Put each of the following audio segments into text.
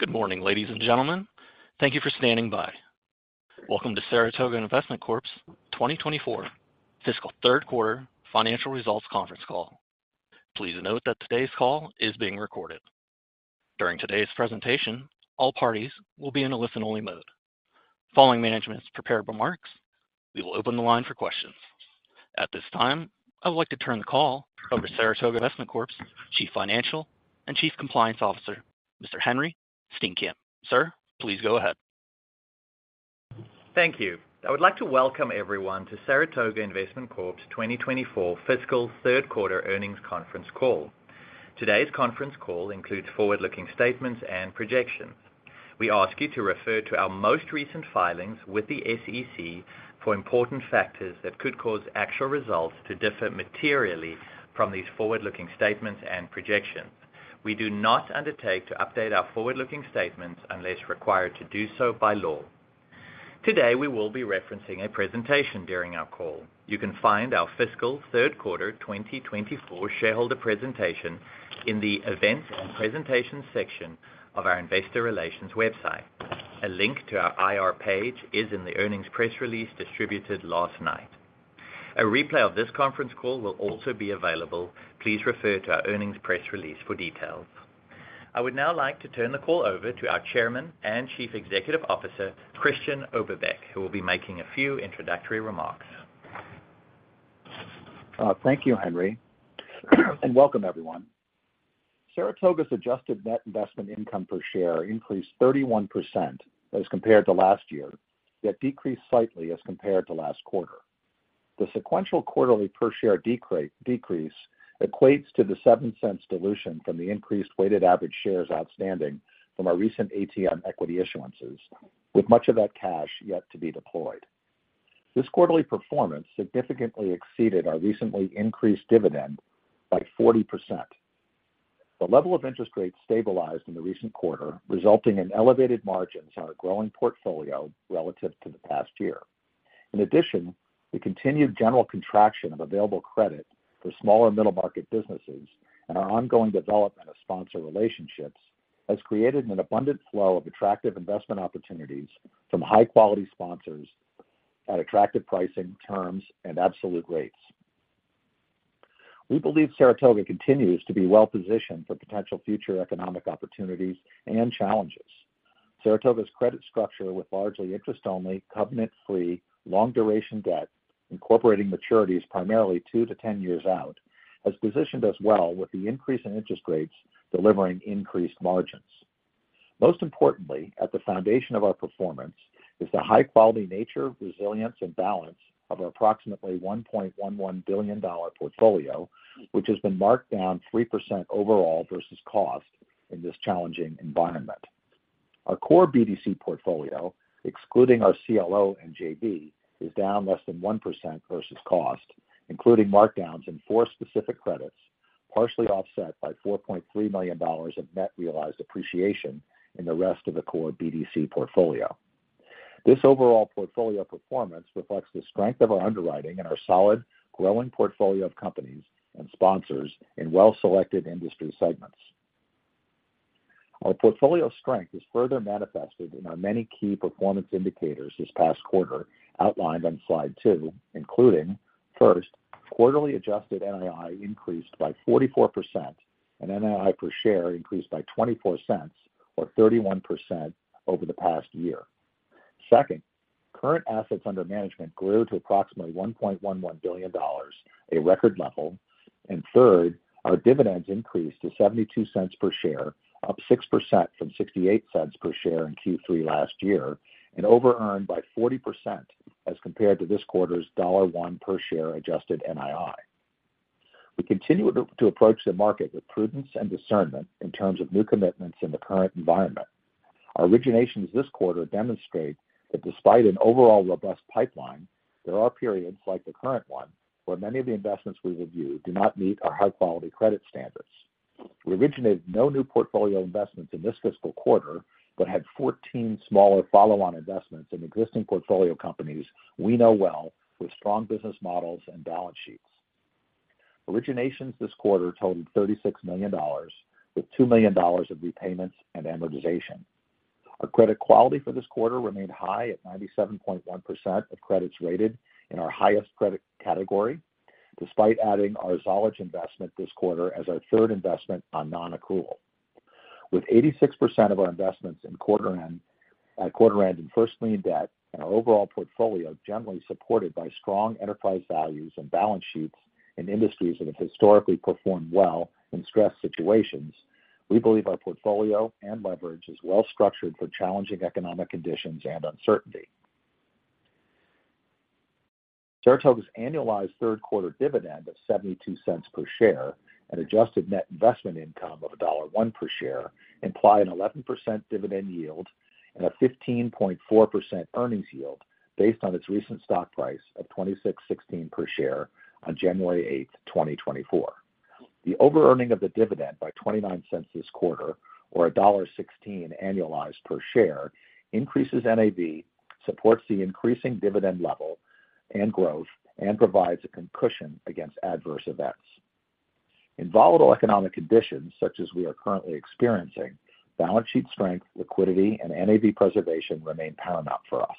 Good morning, ladies and gentlemen. Thank you for standing by. Welcome to Saratoga Investment Corp's 2024 fiscal Q3 financial results conference call. Please note that today's call is being recorded. During today's presentation, all parties will be in a listen-only mode. Following management's prepared remarks, we will open the line for questions. At this time, I would like to turn the call over to Saratoga Investment Corp's Chief Financial and Chief Compliance Officer, Mr. Henri Steenkamp. Sir, please go ahead. Thank you. I would like to welcome everyone to Saratoga Investment Corp's 2024 fiscal Q3 earnings conference call. Today's conference call includes forward-looking statements and projections. We ask you to refer to our most recent filings with the SEC for important factors that could cause actual results to differ materially from these forward-looking statements and projections. We do not undertake to update our forward-looking statements unless required to do so by law. Today, we will be referencing a presentation during our call. You can find our fiscal Q3 2024 shareholder presentation in the Events and Presentations section of our Investor Relations website. A link to our IR page is in the earnings press release distributed last night. A replay of this conference call will also be available. Please refer to our earnings press release for details. I would now like to turn the call over to our Chairman and Chief Executive Officer, Christian Oberbeck, who will be making a few introductory remarks. Thank you, Henri, and welcome, everyone. Saratoga's adjusted net investment income per share increased 31% as compared to last year, yet decreased slightly as compared to last quarter. The sequential quarterly per share decrease equates to the $0.07 dilution from the increased weighted average shares outstanding from our recent ATM equity issuances, with much of that cash yet to be deployed. This quarterly performance significantly exceeded our recently increased dividend by 40%. The level of interest rates stabilized in the recent quarter, resulting in elevated margins on our growing portfolio relative to the past year. In addition, the continued general contraction of available credit for small and middle-market businesses and our ongoing development of sponsor relationships has created an abundant flow of attractive investment opportunities from high-quality sponsors at attractive pricing, terms, and absolute rates. We believe Saratoga continues to be well-positioned for potential future economic opportunities and challenges. Saratoga's credit structure, with largely interest-only, covenant-free, long-duration debt, incorporating maturities primarily 2-10 years out, has positioned us well with the increase in interest rates, delivering increased margins. Most importantly, at the foundation of our performance is the high-quality nature, resilience, and balance of our approximately $1.11 billion portfolio, which has been marked down 3% overall versus cost in this challenging environment. Our core BDC portfolio, excluding our CLO and JV, is down less than 1% versus cost, including markdowns in four specific credits, partially offset by $4.3 million of net realized appreciation in the rest of the core BDC portfolio. This overall portfolio performance reflects the strength of our underwriting and our solid, growing portfolio of companies and sponsors in well-selected industry segments. Our portfolio strength is further manifested in our many key performance indicators this past quarter, outlined on slide 2, including, first, quarterly adjusted NII increased by 44%, and NII per share increased by $0.24 or 31% over the past year. Second, current assets under management grew to approximately $1.11 billion, a record level. And third, our dividends increased to $0.72 per share, up 6% from $0.68 per share in Q3 last year, and over-earned by 40% as compared to this quarter's $1 per share adjusted NII. We continue to approach the market with prudence and discernment in terms of new commitments in the current environment. Our originations this quarter demonstrate that despite an overall robust pipeline, there are periods, like the current one, where many of the investments we review do not meet our high-quality credit standards. We originated no new portfolio investments in this fiscal quarter, but had 14 smaller follow-on investments in existing portfolio companies we know well with strong business models and balance sheets. Originations this quarter totaled $36 million, with $2 million of repayments and amortization. Our credit quality for this quarter remained high at 97.1% of credits rated in our highest credit category, despite adding our Zollege investment this quarter as our third investment on nonaccrual. With 86% of our investments at quarter end in first lien debt and our overall portfolio generally supported by strong enterprise values and balance sheets in industries that have historically performed well in stress situations, we believe our portfolio and leverage is well structured for challenging economic conditions and uncertainty. Saratoga's annualized third-quarter dividend of $0.72 per share and adjusted net investment income of $1.01 per share imply an 11% dividend yield and a 15.4% earnings yield based on its recent stock price of $26.16 per share on January 8, 2024. The overearning of the dividend by $0.29 this quarter, or $1.16 annualized per share, increases NAV, supports the increasing dividend level and growth, and provides a cushion against adverse events. In volatile economic conditions, such as we are currently experiencing, balance sheet strength, liquidity, and NAV preservation remain paramount for us.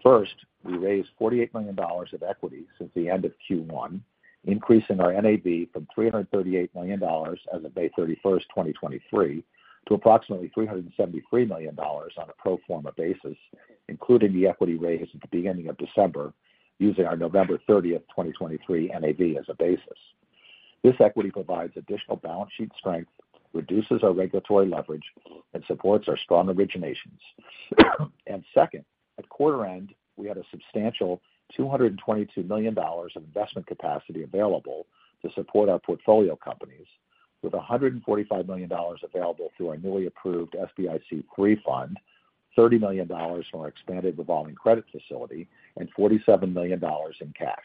First, we raised $48 million of equity since the end of Q1, increasing our NAV from $338 million as of May 31, 2023, to approximately $373 million on a pro forma basis, including the equity raise at the beginning of December, using our November 30, 2023, NAV as a basis. This equity provides additional balance sheet strength, reduces our regulatory leverage, and supports our strong originations. And second, at quarter end, we had a substantial $222 million of investment capacity available to support our portfolio companies, with $145 million available through our newly approved SBIC III fund, $30 million from our expanded revolving credit facility, and $47 million in cash.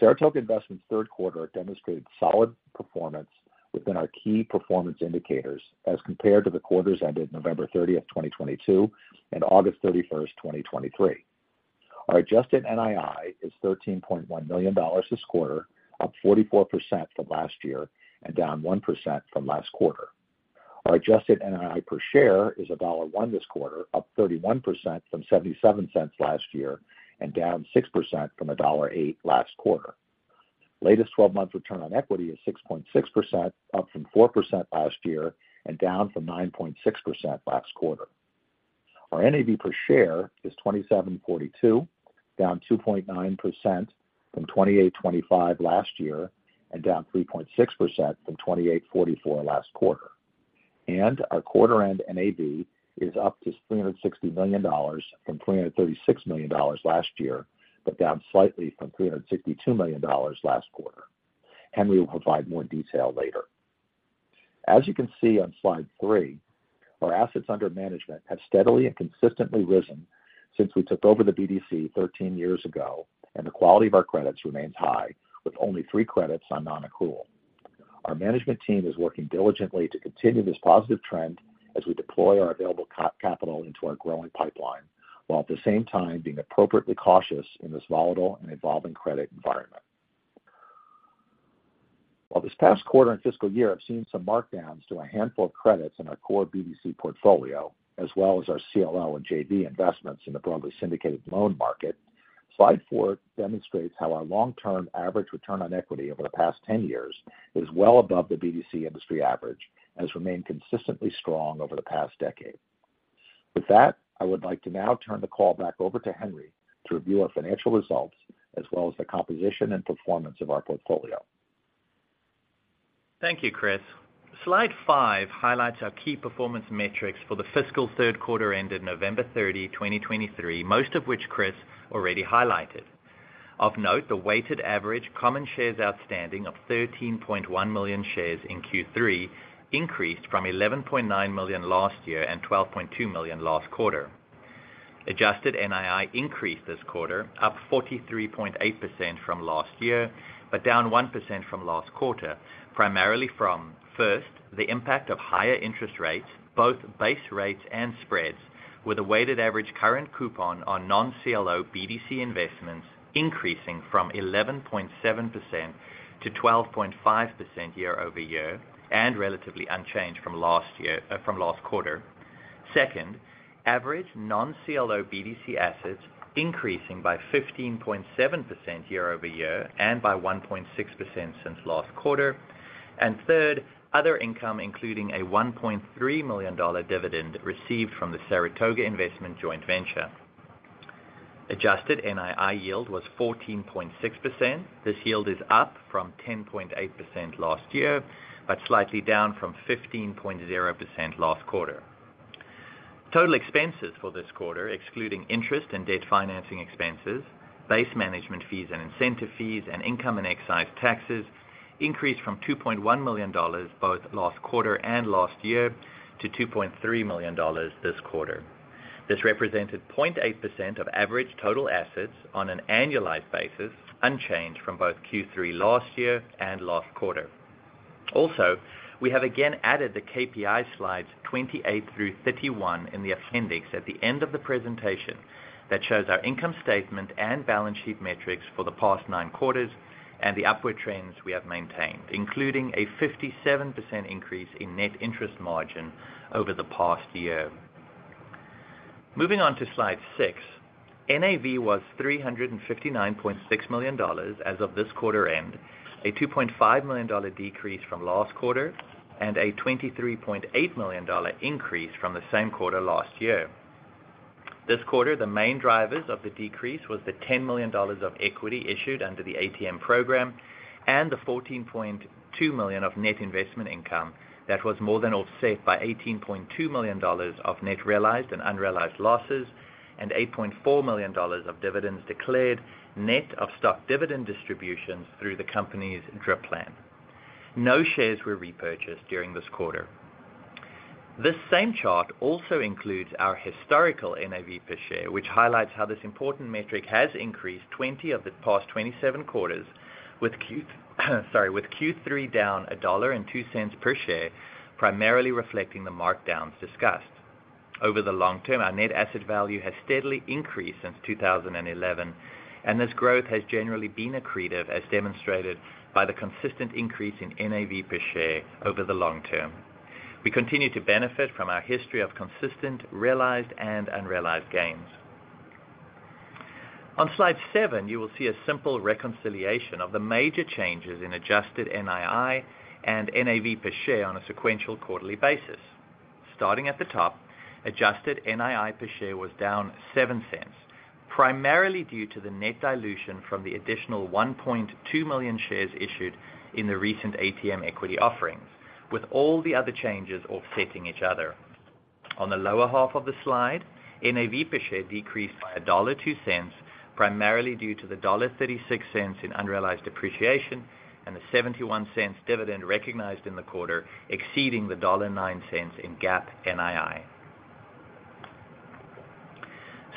Saratoga Investment's Q3 demonstrated solid performance within our key performance indicators as compared to the quarters ended November 30, 2022, and August 31, 2023. Our adjusted NII is $13.1 million this quarter, up 44% from last year and down 1% from last quarter. Our adjusted NII per share is $1.01 this quarter, up 31% from $0.77 last year and down 6% from $1.08 last quarter. Latest 12-month return on equity is 6.6%, up from 4% last year and down from 9.6% last quarter. Our NAV per share is 27.42, down 2.9% from 28.25 last year, and down 3.6% from 28.44 last quarter. Our quarter-end NAV is up to $360 million from $336 million last year, but down slightly from $362 million last quarter. Henri will provide more detail later. As you can see on slide three, our assets under management have steadily and consistently risen since we took over the BDC 13 years ago, and the quality of our credits remains high, with only three credits on nonaccrual. Our management team is working diligently to continue this positive trend as we deploy our available capital into our growing pipeline, while at the same time being appropriately cautious in this volatile and evolving credit environment. While this past quarter and fiscal year have seen some markdowns to a handful of credits in our core BDC portfolio, as well as our CLO and JV investments in the broadly syndicated loan market, slide 4 demonstrates how our long-term average return on equity over the past 10 years is well above the BDC industry average and has remained consistently strong over the past decade. With that, I would like to now turn the call back over to Henri to review our financial results, as well as the composition and performance of our portfolio. Thank you, Chris. Slide 5 highlights our key performance metrics for the fiscal Q3 ended November 30, 2023, most of which Chris already highlighted. Of note, the weighted average common shares outstanding of 13.1 million shares in Q3 increased from 11.9 million last year and 12.2 million last quarter. Adjusted NII increased this quarter, up 43.8% from last year, but down 1% from last quarter, primarily from, first, the impact of higher interest rates, both base rates and spreads, with a weighted average current coupon on non-CLO BDC investments increasing from 11.7% to 12.5% year-over-year, and relatively unchanged from last year, from last quarter. Second, average non-CLO BDC assets increasing by 15.7% year-over-year and by 1.6% since last quarter. And third, other income, including a $1.3 million dividend received from the Saratoga Investment Joint Venture. Adjusted NII yield was 14.6%. This yield is up from 10.8% last year, but slightly down from 15.0% last quarter. Total expenses for this quarter, excluding interest and debt financing expenses, base management fees and incentive fees, and income and excise taxes, increased from $2.1 million, both last quarter and last year, to $2.3 million this quarter. This represented 0.8% of average total assets on an annualized basis, unchanged from both Q3 last year and last quarter. Also, we have again added the KPI slides 28 through 31 in the appendix at the end of the presentation, that shows our income statement and balance sheet metrics for the past nine quarters and the upward trends we have maintained, including a 57% increase in net interest margin over the past year. Moving on to slide 6. NAV was $359.6 million as of this quarter end, a $2.5 million decrease from last quarter, and a $23.8 million increase from the same quarter last year. This quarter, the main drivers of the decrease was the $10 million of equity issued under the ATM program and the $14.2 million of net investment income that was more than offset by $18.2 million of net realized and unrealized losses, and $8.4 million of dividends declared, net of stock dividend distributions through the company's DRIP plan. No shares were repurchased during this quarter. This same chart also includes our historical NAV per share, which highlights how this important metric has increased 20 of the past 27 quarters with Q, sorry, with Q3 down $1.02 per share, primarily reflecting the markdowns discussed.... Over the long term, our net asset value has steadily increased since 2011, and this growth has generally been accretive, as demonstrated by the consistent increase in NAV per share over the long term. We continue to benefit from our history of consistent, realized, and unrealized gains. On slide seven, you will see a simple reconciliation of the major changes in adjusted NII and NAV per share on a sequential quarterly basis. Starting at the top, adjusted NII per share was down $0.07, primarily due to the net dilution from the additional 1.2 million shares issued in the recent ATM equity offerings, with all the other changes offsetting each other. On the lower half of the slide, NAV per share decreased by $1.02, primarily due to the $1.36 in unrealized appreciation and the $0.71 dividend recognized in the quarter, exceeding the $0.09 in GAAP NII.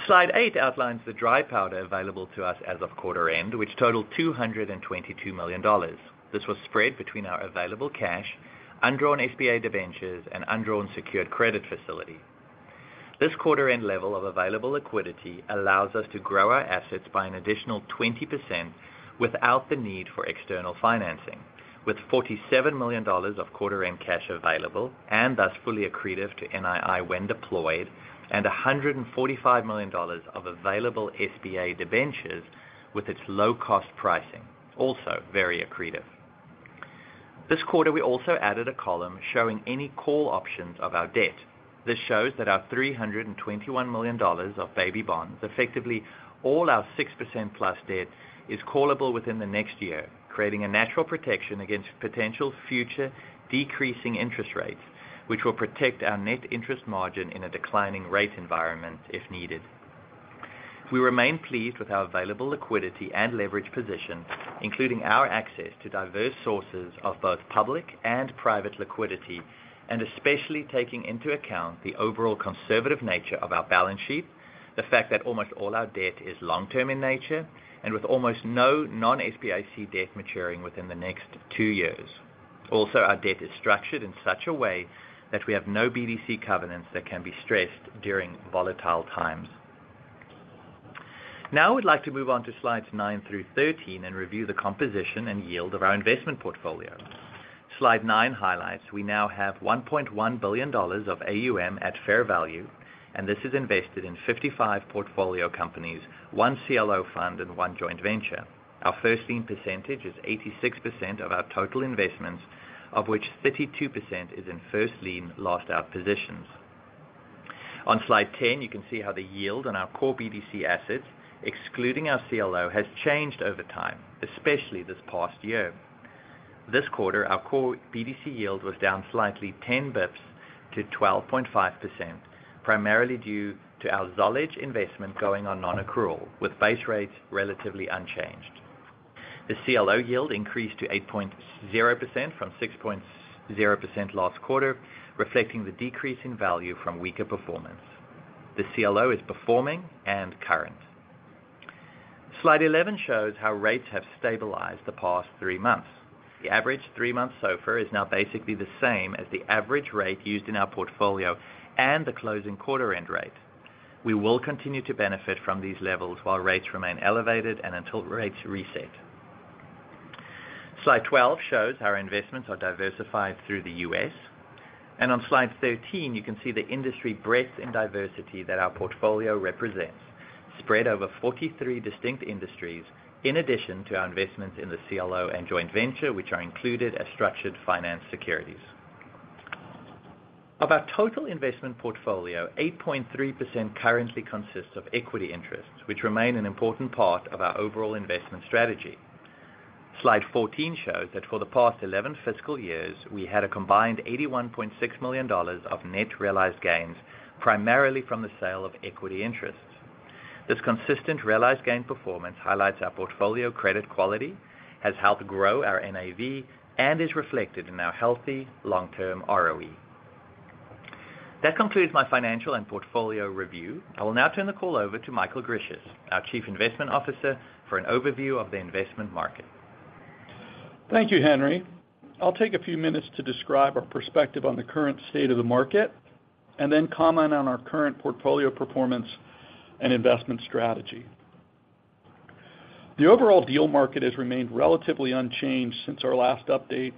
Slide eight outlines the dry powder available to us as of quarter end, which totaled $222 million. This was spread between our available cash, undrawn SBA debentures, and undrawn secured credit facility. This quarter-end level of available liquidity allows us to grow our assets by an additional 20% without the need for external financing, with $47 million of quarter-end cash available, and thus fully accretive to NII when deployed, and $145 million of available SBA debentures with its low-cost pricing, also very accretive. This quarter, we also added a column showing any call options of our debt. This shows that our $321 million of baby bonds, effectively all our 6%+ debt, is callable within the next year, creating a natural protection against potential future decreasing interest rates, which will protect our net interest margin in a declining rate environment if needed. We remain pleased with our available liquidity and leverage position, including our access to diverse sources of both public and private liquidity, and especially taking into account the overall conservative nature of our balance sheet, the fact that almost all our debt is long-term in nature, and with almost no non-SBIC debt maturing within the next two years. Also, our debt is structured in such a way that we have no BDC covenants that can be stressed during volatile times. Now, I would like to move on to slides 9 through 13 and review the composition and yield of our investment portfolio. Slide nine highlights we now have $1.1 billion of AUM at fair value, and this is invested in 55 portfolio companies, one CLO fund, and one joint venture. Our first lien percentage is 86% of our total investments, of which 52% is in first lien last out positions. On Slide 10, you can see how the yield on our core BDC assets, excluding our CLO, has changed over time, especially this past year. This quarter, our core BDC yield was down slightly ten basis points to 12.5%, primarily due to our Zollege investment going on nonaccrual, with base rates relatively unchanged. The CLO yield increased to 8.0% from 6.0% last quarter, reflecting the decrease in value from weaker performance. The CLO is performing and current. Slide 11 shows how rates have stabilized the past three months. The average three-month SOFR is now basically the same as the average rate used in our portfolio and the closing quarter end rate. We will continue to benefit from these levels while rates remain elevated and until rates reset. Slide 12 shows our investments are diversified through the U.S. On slide 13, you can see the industry breadth and diversity that our portfolio represents, spread over 43 distinct industries, in addition to our investments in the CLO and joint venture, which are included as structured finance securities. Of our total investment portfolio, 8.3% currently consists of equity interests, which remain an important part of our overall investment strategy. Slide 14 shows that for the past 11 fiscal years, we had a combined $81.6 million of net realized gains, primarily from the sale of equity interests. This consistent realized gain performance highlights our portfolio credit quality, has helped grow our NAV, and is reflected in our healthy long-term ROE. That concludes my financial and portfolio review. I will now turn the call over to Michael Grisius, our Chief Investment Officer, for an overview of the investment market. Thank you, Henri. I'll take a few minutes to describe our perspective on the current state of the market, and then comment on our current portfolio performance and investment strategy. The overall deal market has remained relatively unchanged since our last update,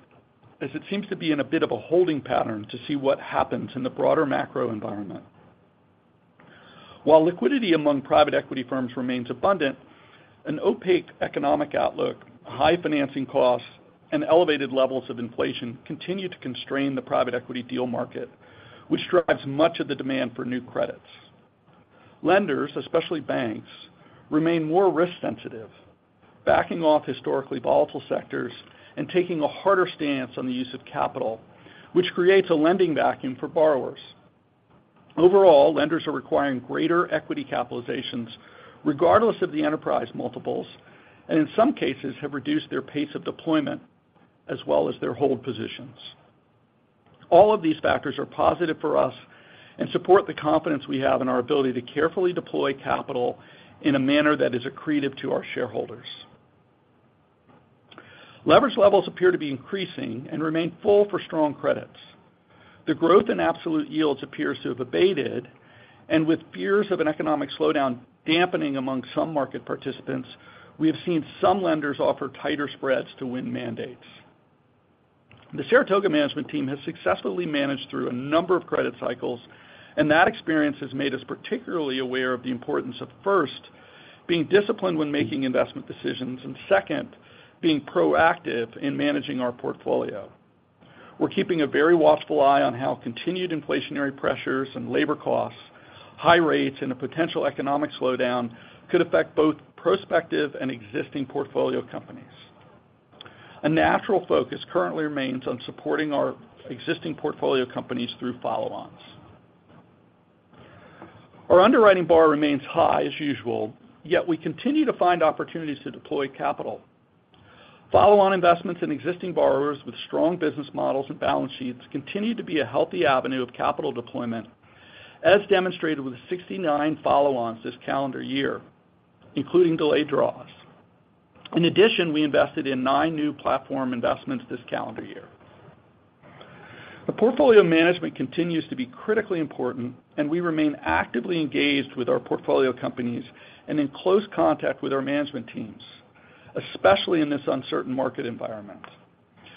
as it seems to be in a bit of a holding pattern to see what happens in the broader macro environment. While liquidity among private equity firms remains abundant, an opaque economic outlook, high financing costs, and elevated levels of inflation continue to constrain the private equity deal market, which drives much of the demand for new credits. Lenders, especially banks, remain more risk sensitive, backing off historically volatile sectors and taking a harder stance on the use of capital, which creates a lending vacuum for borrowers. Overall, lenders are requiring greater equity capitalizations regardless of the enterprise multiples, and in some cases have reduced their pace of deployment as well as their hold positions. All of these factors are positive for us and support the confidence we have in our ability to carefully deploy capital in a manner that is accretive to our shareholders.... Leverage levels appear to be increasing and remain full for strong credits. The growth in absolute yields appears to have abated, and with fears of an economic slowdown dampening among some market participants, we have seen some lenders offer tighter spreads to win mandates. The Saratoga management team has successfully managed through a number of credit cycles, and that experience has made us particularly aware of the importance of, first, being disciplined when making investment decisions, and second, being proactive in managing our portfolio. We're keeping a very watchful eye on how continued inflationary pressures and labor costs, high rates, and a potential economic slowdown could affect both prospective and existing portfolio companies. A natural focus currently remains on supporting our existing portfolio companies through follow-ons. Our underwriting bar remains high as usual, yet we continue to find opportunities to deploy capital. Follow-on investments in existing borrowers with strong business models and balance sheets continue to be a healthy avenue of capital deployment, as demonstrated with 69 follow-ons this calendar year, including delayed draws. In addition, we invested in 9 new platform investments this calendar year. The portfolio management continues to be critically important, and we remain actively engaged with our portfolio companies and in close contact with our management teams, especially in this uncertain market environment.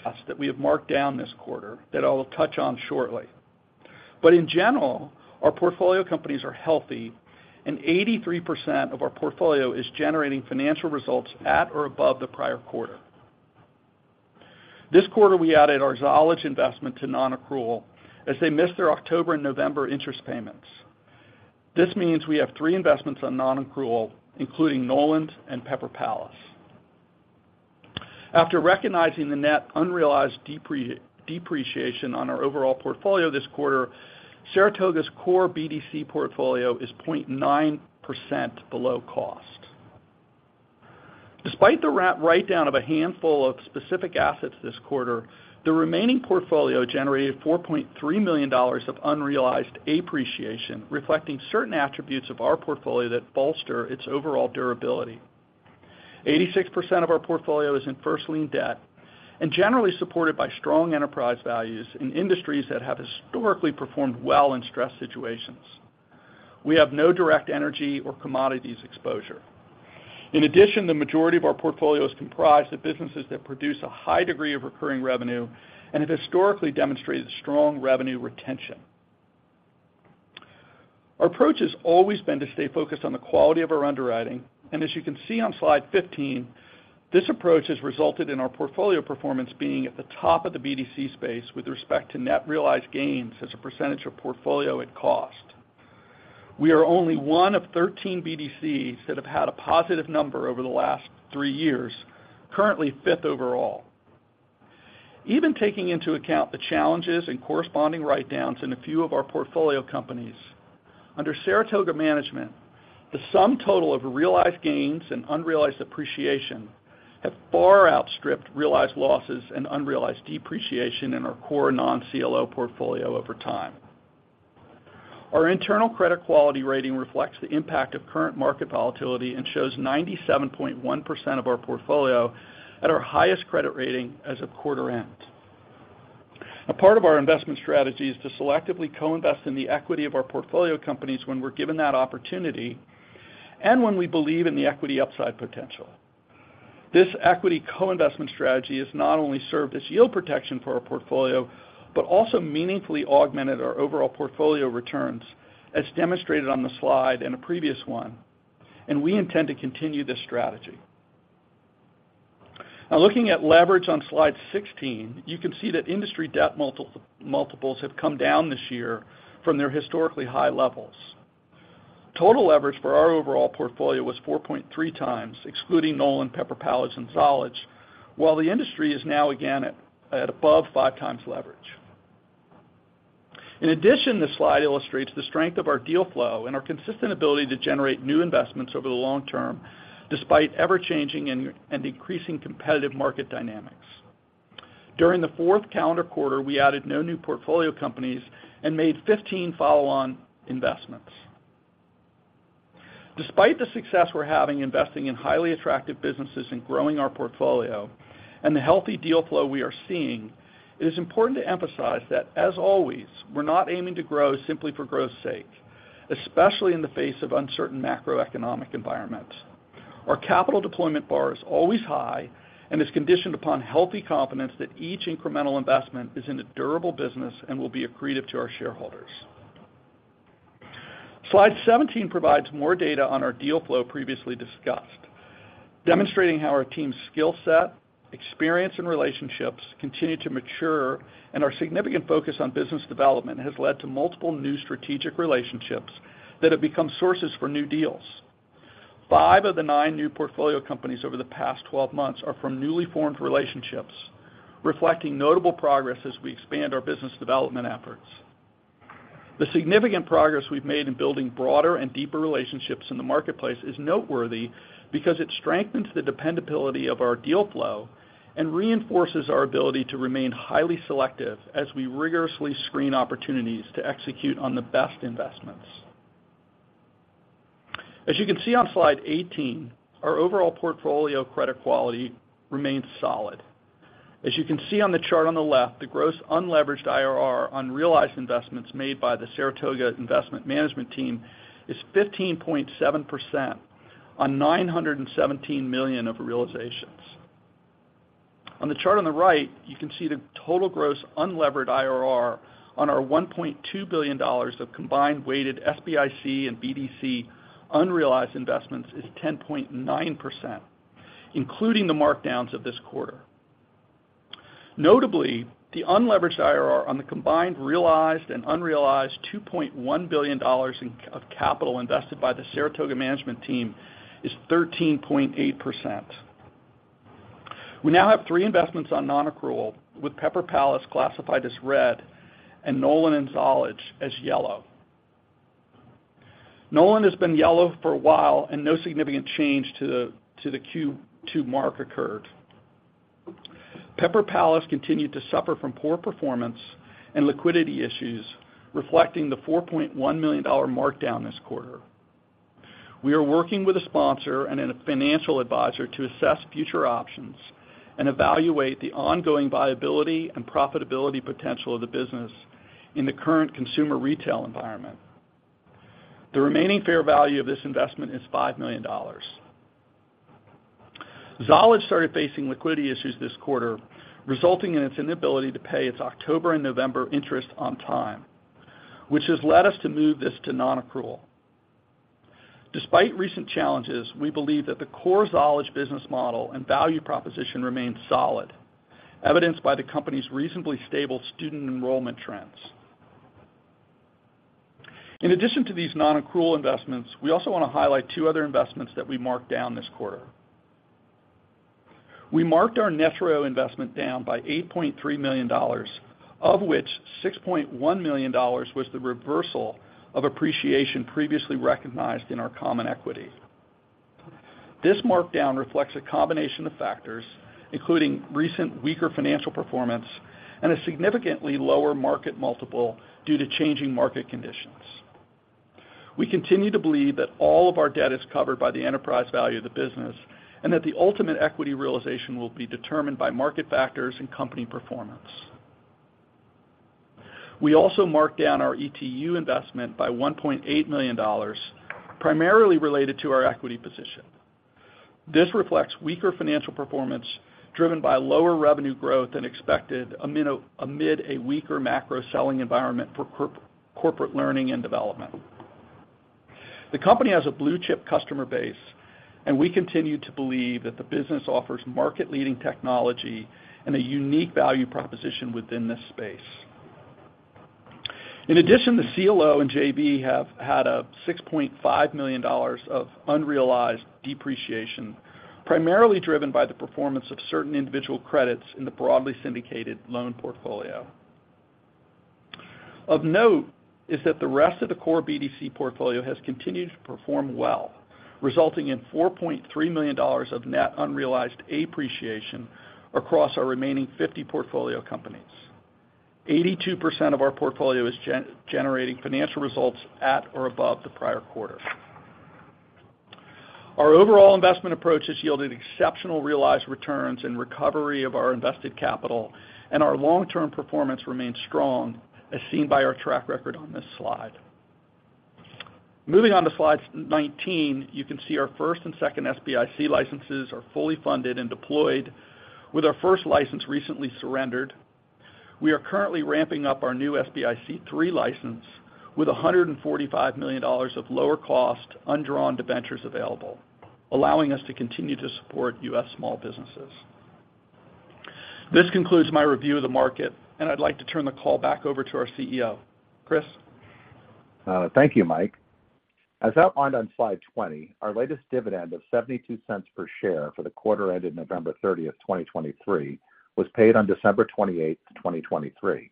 Us that we have marked down this quarter, that I'll touch on shortly. But in general, our portfolio companies are healthy, and 83% of our portfolio is generating financial results at or above the prior quarter. This quarter, we added our Zollege investment to nonaccrual as they missed their October and November interest payments. This means we have three investments on nonaccrual, including Knowland and Pepper Palace. After recognizing the net unrealized depreciation on our overall portfolio this quarter, Saratoga's core BDC portfolio is 0.9% below cost. Despite the write-down of a handful of specific assets this quarter, the remaining portfolio generated $4.3 million of unrealized appreciation, reflecting certain attributes of our portfolio that bolster its overall durability. 86% of our portfolio is in first-lien debt and generally supported by strong enterprise values in industries that have historically performed well in stress situations. We have no direct energy or commodities exposure. In addition, the majority of our portfolio is comprised of businesses that produce a high degree of recurring revenue and have historically demonstrated strong revenue retention. Our approach has always been to stay focused on the quality of our underwriting, and as you can see on slide 15, this approach has resulted in our portfolio performance being at the top of the BDC space with respect to net realized gains as a percentage of portfolio at cost. We are only one of 13 BDCs that have had a positive number over the last three years, currently fifth overall. Even taking into account the challenges and corresponding write-downs in a few of our portfolio companies, under Saratoga management, the sum total of realized gains and unrealized appreciation have far outstripped realized losses and unrealized depreciation in our core non-CLO portfolio over time. Our internal credit quality rating reflects the impact of current market volatility and shows 97.1% of our portfolio at our highest credit rating as of quarter end. A part of our investment strategy is to selectively co-invest in the equity of our portfolio companies when we're given that opportunity and when we believe in the equity upside potential. This equity co-investment strategy has not only served as yield protection for our portfolio, but also meaningfully augmented our overall portfolio returns, as demonstrated on the slide and the previous one, and we intend to continue this strategy. Now, looking at leverage on slide 16, you can see that industry debt multiples have come down this year from their historically high levels. Total leverage for our overall portfolio was 4.3x, excluding Knowland, Pepper Palace, and Zollege, while the industry is now again at above 5x leverage. In addition, this slide illustrates the strength of our deal flow and our consistent ability to generate new investments over the long term, despite ever-changing and increasing competitive market dynamics. During the fourth calendar quarter, we added no new portfolio companies and made 15 follow-on investments. Despite the success we're having investing in highly attractive businesses and growing our portfolio and the healthy deal flow we are seeing, it is important to emphasize that, as always, we're not aiming to grow simply for growth's sake, especially in the face of uncertain macroeconomic environments. Our capital deployment bar is always high and is conditioned upon healthy confidence that each incremental investment is in a durable business and will be accretive to our shareholders. Slide 17 provides more data on our deal flow previously discussed, demonstrating how our team's skill set, experience, and relationships continue to mature, and our significant focus on business development has led to multiple new strategic relationships that have become sources for new deals. Five of the nine new portfolio companies over the past 12 months are from newly formed relationships, reflecting notable progress as we expand our business development efforts. The significant progress we've made in building broader and deeper relationships in the marketplace is noteworthy because it strengthens the dependability of our deal flow and reinforces our ability to remain highly selective as we rigorously screen opportunities to execute on the best investments. As you can see on slide 18, our overall portfolio credit quality remains solid. As you can see on the chart on the left, the gross unleveraged IRR on realized investments made by the Saratoga Investment Management team is 15.7% on $917 million of realizations. On the chart on the right, you can see the total gross unlevered IRR on our $1.2 billion of combined weighted SBIC and BDC unrealized investments is 10.9%, including the markdowns of this quarter. Notably, the unleveraged IRR on the combined realized and unrealized $2.1 billion in of capital invested by the Saratoga management team is 13.8%. We now have three investments on nonaccrual, with Pepper Palace classified as red and Knowland and Zollege as yellow. Knowland has been yellow for a while, and no significant change to the Q2 mark occurred. Pepper Palace continued to suffer from poor performance and liquidity issues, reflecting the $4.1 million markdown this quarter. We are working with a sponsor and a financial advisor to assess future options and evaluate the ongoing viability and profitability potential of the business in the current consumer retail environment. The remaining fair value of this investment is $5 million. Zollege started facing liquidity issues this quarter, resulting in its inability to pay its October and November interest on time, which has led us to move this to nonaccrual. Despite recent challenges, we believe that the core Zollege's business model and value proposition remains solid, evidenced by the company's reasonably stable student enrollment trends. In addition to these nonaccrual investments, we also want to highlight two other investments that we marked down this quarter. We marked our Netreo investment down by $8.3 million, of which $6.1 million was the reversal of appreciation previously recognized in our common equity. This markdown reflects a combination of factors, including recent weaker financial performance and a significantly lower market multiple due to changing market conditions. We continue to believe that all of our debt is covered by the enterprise value of the business and that the ultimate equity realization will be determined by market factors and company performance. We also marked down our ETU investment by $1.8 million, primarily related to our equity position. This reflects weaker financial performance, driven by lower revenue growth than expected, amid a weaker macro selling environment for corporate learning and development. The company has a blue-chip customer base, and we continue to believe that the business offers market-leading technology and a unique value proposition within this space. In addition, the CLO and JV have had a $6.5 million of unrealized depreciation, primarily driven by the performance of certain individual credits in the broadly syndicated loan portfolio. Of note is that the rest of the core BDC portfolio has continued to perform well, resulting in $4.3 million of net unrealized appreciation across our remaining 50 portfolio companies. 82% of our portfolio is generating financial results at or above the prior quarter. Our overall investment approach has yielded exceptional realized returns and recovery of our invested capital, and our long-term performance remains strong, as seen by our track record on this slide. Moving on to slide 19, you can see our first and second SBIC licenses are fully funded and deployed, with our first license recently surrendered. We are currently ramping up our new SBIC III license with $145 million of lower-cost, undrawn debentures available, allowing us to continue to support U.S. small businesses. This concludes my review of the market, and I'd like to turn the call back over to our CEO. Chris? Thank you, Mike. As outlined on slide 20, our latest dividend of $0.72 per share for the quarter ended November 30, 2023, was paid on December 28, 2023.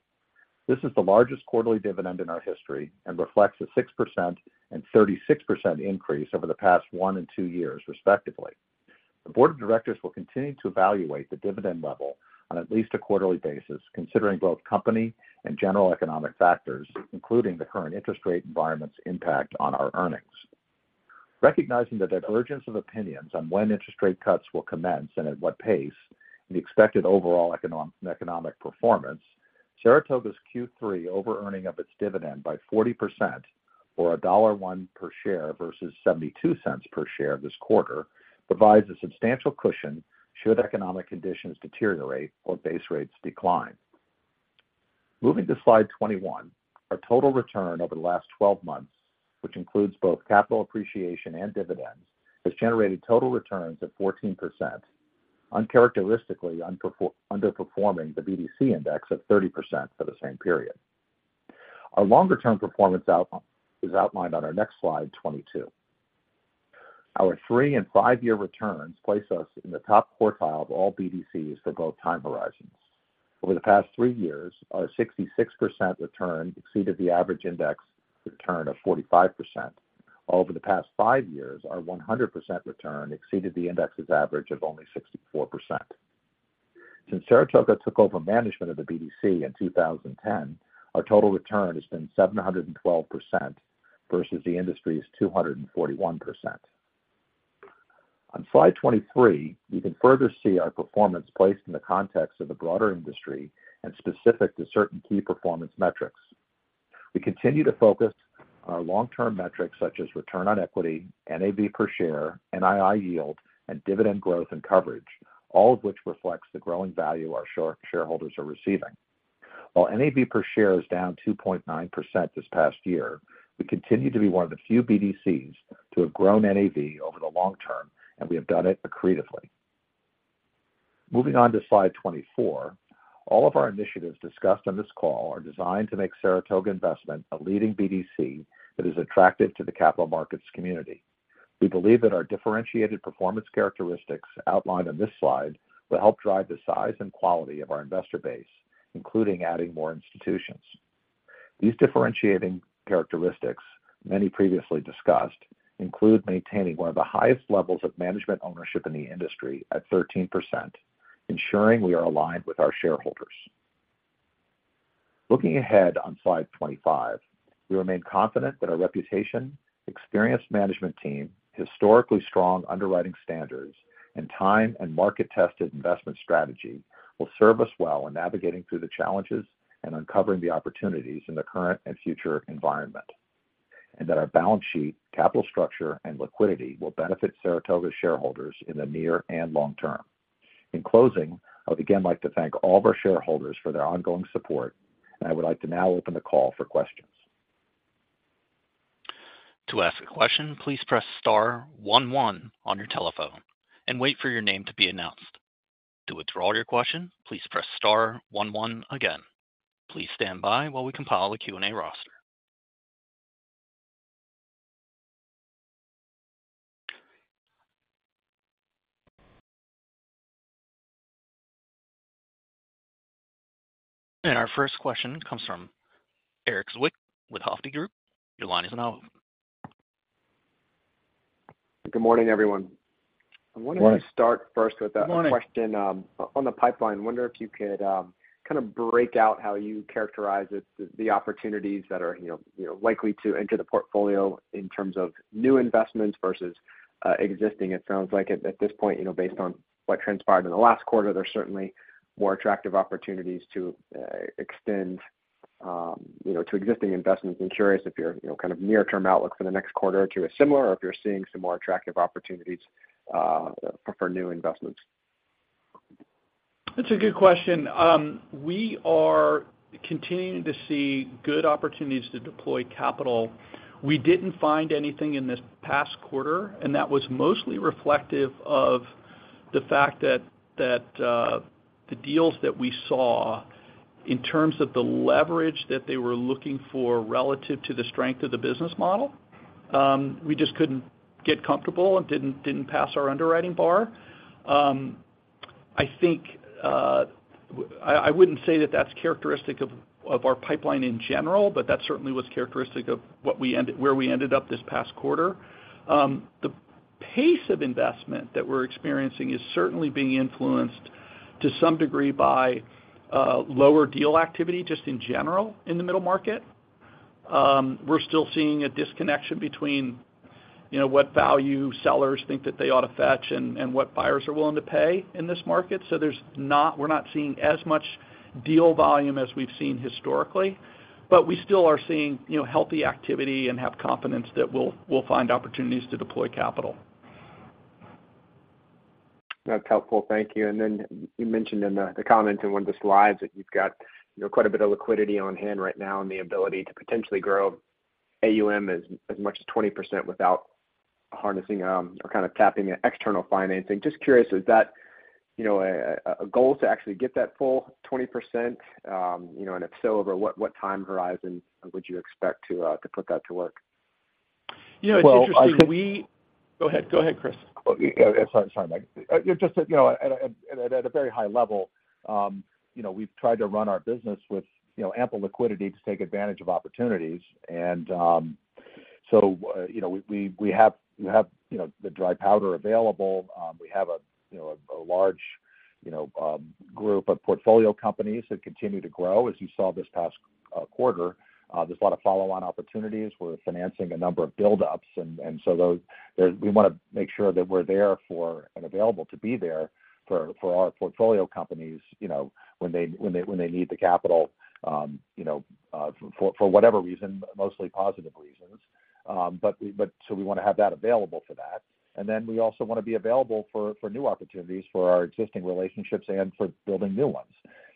This is the largest quarterly dividend in our history and reflects a 6% and 36% increase over the past 1 and 2 years, respectively. The board of directors will continue to evaluate the dividend level on at least a quarterly basis, considering both company and general economic factors, including the current interest rate environment's impact on our earnings. Recognizing the divergence of opinions on when interest rate cuts will commence and at what pace, and the expected overall economic performance, Saratoga's Q3 overearning of its dividend by 40%, or $1.01 per share versus $0.72 per share this quarter, provides a substantial cushion should economic conditions deteriorate or base rates decline. Moving to slide 21, our total return over the last 12 months, which includes both capital appreciation and dividends, has generated total returns of 14%, uncharacteristically underperforming the BDC index of 30% for the same period. Our longer-term performance is outlined on our next slide, 22. Our 3- and 5-year returns place us in the top quartile of all BDCs for both time horizons. Over the past three years, our 66% return exceeded the average index return of 45%. Over the past five years, our 100% return exceeded the index's average of only 64%.... Since Saratoga took over management of the BDC in 2010, our total return has been 712% versus the industry's 241%. On slide 23, you can further see our performance placed in the context of the broader industry and specific to certain key performance metrics. We continue to focus on our long-term metrics, such as return on equity, NAV per share, NII yield, and dividend growth and coverage, all of which reflects the growing value our shareholders are receiving. While NAV per share is down 2.9% this past year, we continue to be one of the few BDCs to have grown NAV over the long term, and we have done it accretively. Moving on to slide 24. All of our initiatives discussed on this call are designed to make Saratoga Investment a leading BDC that is attractive to the capital markets community. We believe that our differentiated performance characteristics outlined on this slide will help drive the size and quality of our investor base, including adding more institutions. These differentiating characteristics, many previously discussed, include maintaining one of the highest levels of management ownership in the industry at 13%, ensuring we are aligned with our shareholders. Looking ahead on slide 25, we remain confident that our reputation, experienced management team, historically strong underwriting standards, and time and market-tested investment strategy will serve us well in navigating through the challenges and uncovering the opportunities in the current and future environment. That our balance sheet, capital structure, and liquidity will benefit Saratoga's shareholders in the near and long term. In closing, I would again like to thank all of our shareholders for their ongoing support, and I would like to now open the call for questions. To ask a question, please press star one one on your telephone and wait for your name to be announced. To withdraw your question, please press star one one again. Please stand by while we compile a Q&A roster. Our first question comes from Erik Zwick with Hovde Group. Your line is now open. Good morning, everyone. Good morning. I wanted to start first with a question, on the pipeline. I wonder if you could, kind of break out how you characterize it, the opportunities that are, you know, you know, likely to enter the portfolio in terms of new investments versus, existing. It sounds like at this point, you know, based on what transpired in the last quarter, there are certainly more attractive opportunities to, extend, you know, to existing investments. I'm curious if your, you know, kind of near-term outlook for the next quarter or two is similar, or if you're seeing some more attractive opportunities, for new investments. That's a good question. We are continuing to see good opportunities to deploy capital. We didn't find anything in this past quarter, and that was mostly reflective of the fact that the deals that we saw in terms of the leverage that they were looking for relative to the strength of the business model, we just couldn't get comfortable and didn't pass our underwriting bar. I think I wouldn't say that that's characteristic of our pipeline in general, but that certainly was characteristic of where we ended up this past quarter. The pace of investment that we're experiencing is certainly being influenced to some degree by lower deal activity, just in general in the middle market. We're still seeing a disconnection between, you know, what value sellers think that they ought to fetch and what buyers are willing to pay in this market. So we're not seeing as much deal volume as we've seen historically, but we still are seeing, you know, healthy activity and have confidence that we'll find opportunities to deploy capital. That's helpful. Thank you. And then you mentioned in the comments in one of the slides that you've got, you know, quite a bit of liquidity on hand right now and the ability to potentially grow AUM as much as 20% without harnessing, or kind of tapping external financing. Just curious, is that, you know, a goal to actually get that full 20%? You know, and if so, over what time horizon would you expect to put that to work? You know, it's interesting. Well, I think- Go ahead. Go ahead, Chris. Well, yeah, sorry. Sorry, Mike. Just that, you know, at a very high level, you know, we've tried to run our business with, you know, ample liquidity to take advantage of opportunities. And so, you know, we have, you know, the dry powder available. We have a large group of portfolio companies that continue to grow. As you saw this past quarter, there's a lot of follow-on opportunities. We're financing a number of buildups, and so those, we want to make sure that we're there for and available to be there for our portfolio companies, you know, when they need the capital, you know, for whatever reason, mostly positive reasons. But so we want to have that available for that. And then we also want to be available for new opportunities, for our existing relationships and for building new ones.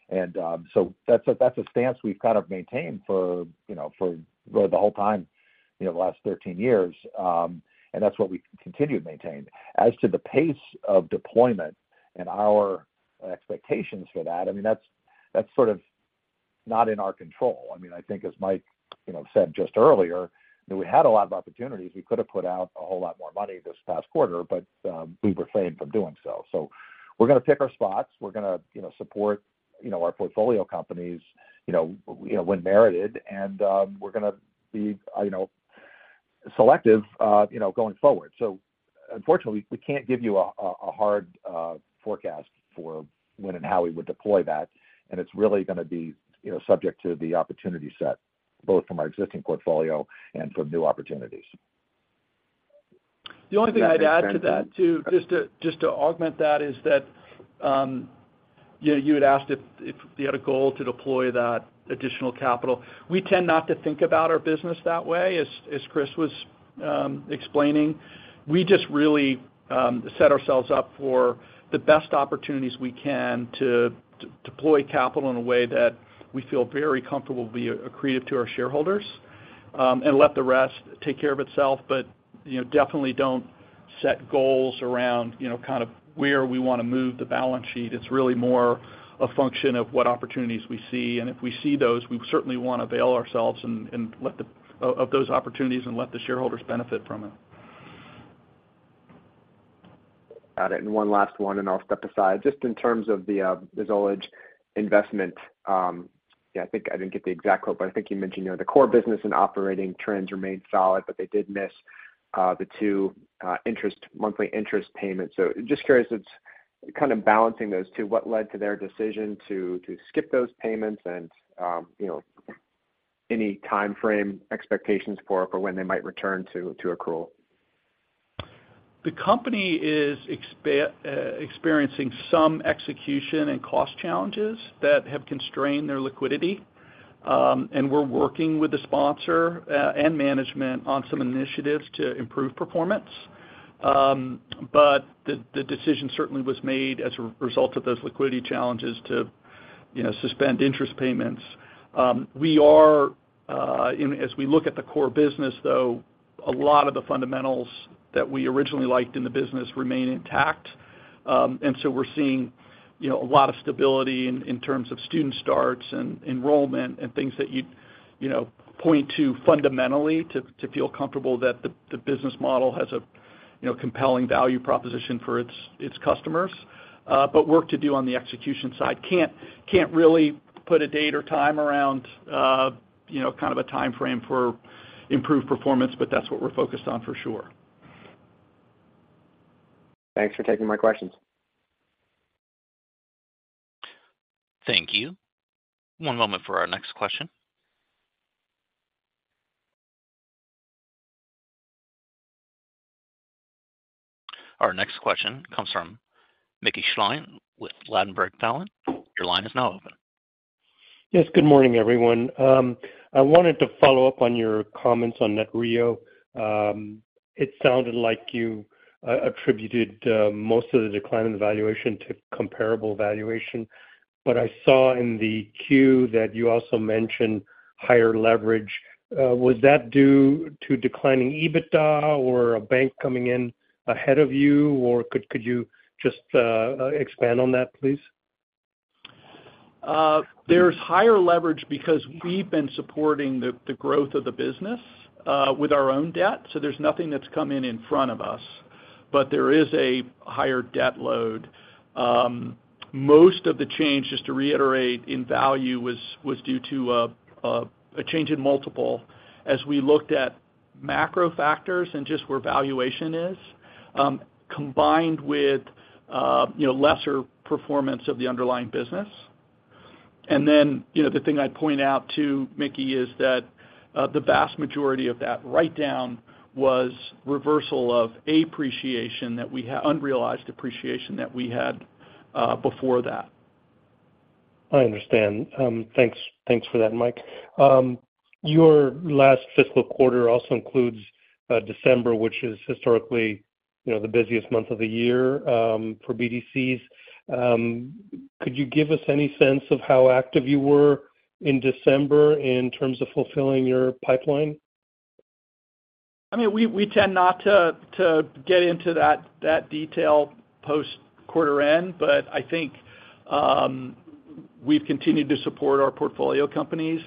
And so that's a stance we've kind of maintained for, you know, for the whole time, you know, the last 13 years. And that's what we continue to maintain. As to the pace of deployment and our expectations for that, I mean, that's sort of not in our control. I mean, I think as Mike, you know, said just earlier, that we had a lot of opportunities. We could have put out a whole lot more money this past quarter, but we've refrained from doing so. So we're going to pick our spots. We're going to, you know, support, you know, our portfolio companies, you know, when merited. And, we're going to be, you know, selective, you know, going forward. So unfortunately, we can't give you a, a hard, forecast for when and how we would deploy that, and it's really gonna be, you know, subject to the opportunity set, both from our existing portfolio and from new opportunities. The only thing I'd add to that, too, just to augment that, is that you had asked if we had a goal to deploy that additional capital. We tend not to think about our business that way, as Chris was explaining. We just really set ourselves up for the best opportunities we can to deploy capital in a way that we feel very comfortable will be accretive to our shareholders, and let the rest take care of itself. But, you know, definitely don't set goals around, you know, kind of where we wanna move the balance sheet. It's really more a function of what opportunities we see, and if we see those, we certainly want to avail ourselves of those opportunities and let the shareholders benefit from it. Got it. And one last one, and I'll step aside. Just in terms of the Zollege investment, yeah, I think I didn't get the exact quote, but I think you mentioned, you know, the core business and operating trends remained solid, but they did miss the two monthly interest payments. So just curious, it's kind of balancing those two. What led to their decision to skip those payments and, you know, any timeframe expectations for when they might return to accrual? The company is experiencing some execution and cost challenges that have constrained their liquidity. And we're working with the sponsor and management on some initiatives to improve performance. But the decision certainly was made as a result of those liquidity challenges to, you know, suspend interest payments. We are as we look at the core business, though, a lot of the fundamentals that we originally liked in the business remain intact. And so we're seeing, you know, a lot of stability in terms of student starts and enrollment and things that you'd, you know, point to fundamentally to feel comfortable that the business model has a, you know, compelling value proposition for its customers. But work to do on the execution side. Can't really put a date or time around, you know, kind of a timeframe for improved performance, but that's what we're focused on for sure. Thanks for taking my questions. Thank you. One moment for our next question. Our next question comes from Mickey Schleien with Ladenburg Thalmann. Your line is now open. Yes, good morning, everyone. I wanted to follow up on your comments on Netreo. It sounded like you attributed most of the decline in valuation to comparable valuation, but I saw in the Q that you also mentioned higher leverage. Was that due to declining EBITDA or a bank coming in ahead of you, or could you just expand on that, please? There's higher leverage because we've been supporting the growth of the business with our own debt, so there's nothing that's come in in front of us. But there is a higher debt load. Most of the change, just to reiterate, in value was due to a change in multiple as we looked at macro factors and just where valuation is, combined with, you know, lesser performance of the underlying business. And then, you know, the thing I'd point out, too, Mickey, is that the vast majority of that write down was reversal of appreciation that we had—unrealized appreciation that we had before that. I understand. Thanks. Thanks for that, Mike. Your last fiscal quarter also includes December, which is historically, you know, the busiest month of the year, for BDCs. Could you give us any sense of how active you were in December in terms of fulfilling your pipeline? I mean, we tend not to get into that detail post quarter end, but I think we've continued to support our portfolio companies,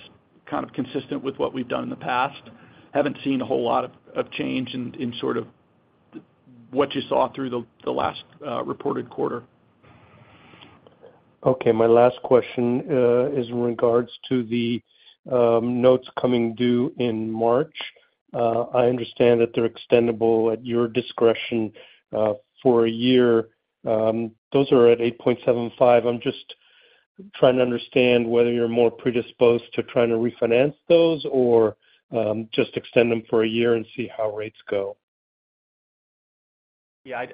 kind of consistent with what we've done in the past. Haven't seen a whole lot of change in sort of what you saw through the last reported quarter. Okay. My last question is in regards to the notes coming due in March. I understand that they're extendable at your discretion for a year. Those are at 8.75%. I'm just trying to understand whether you're more predisposed to trying to refinance those or just extend them for a year and see how rates go. Yeah,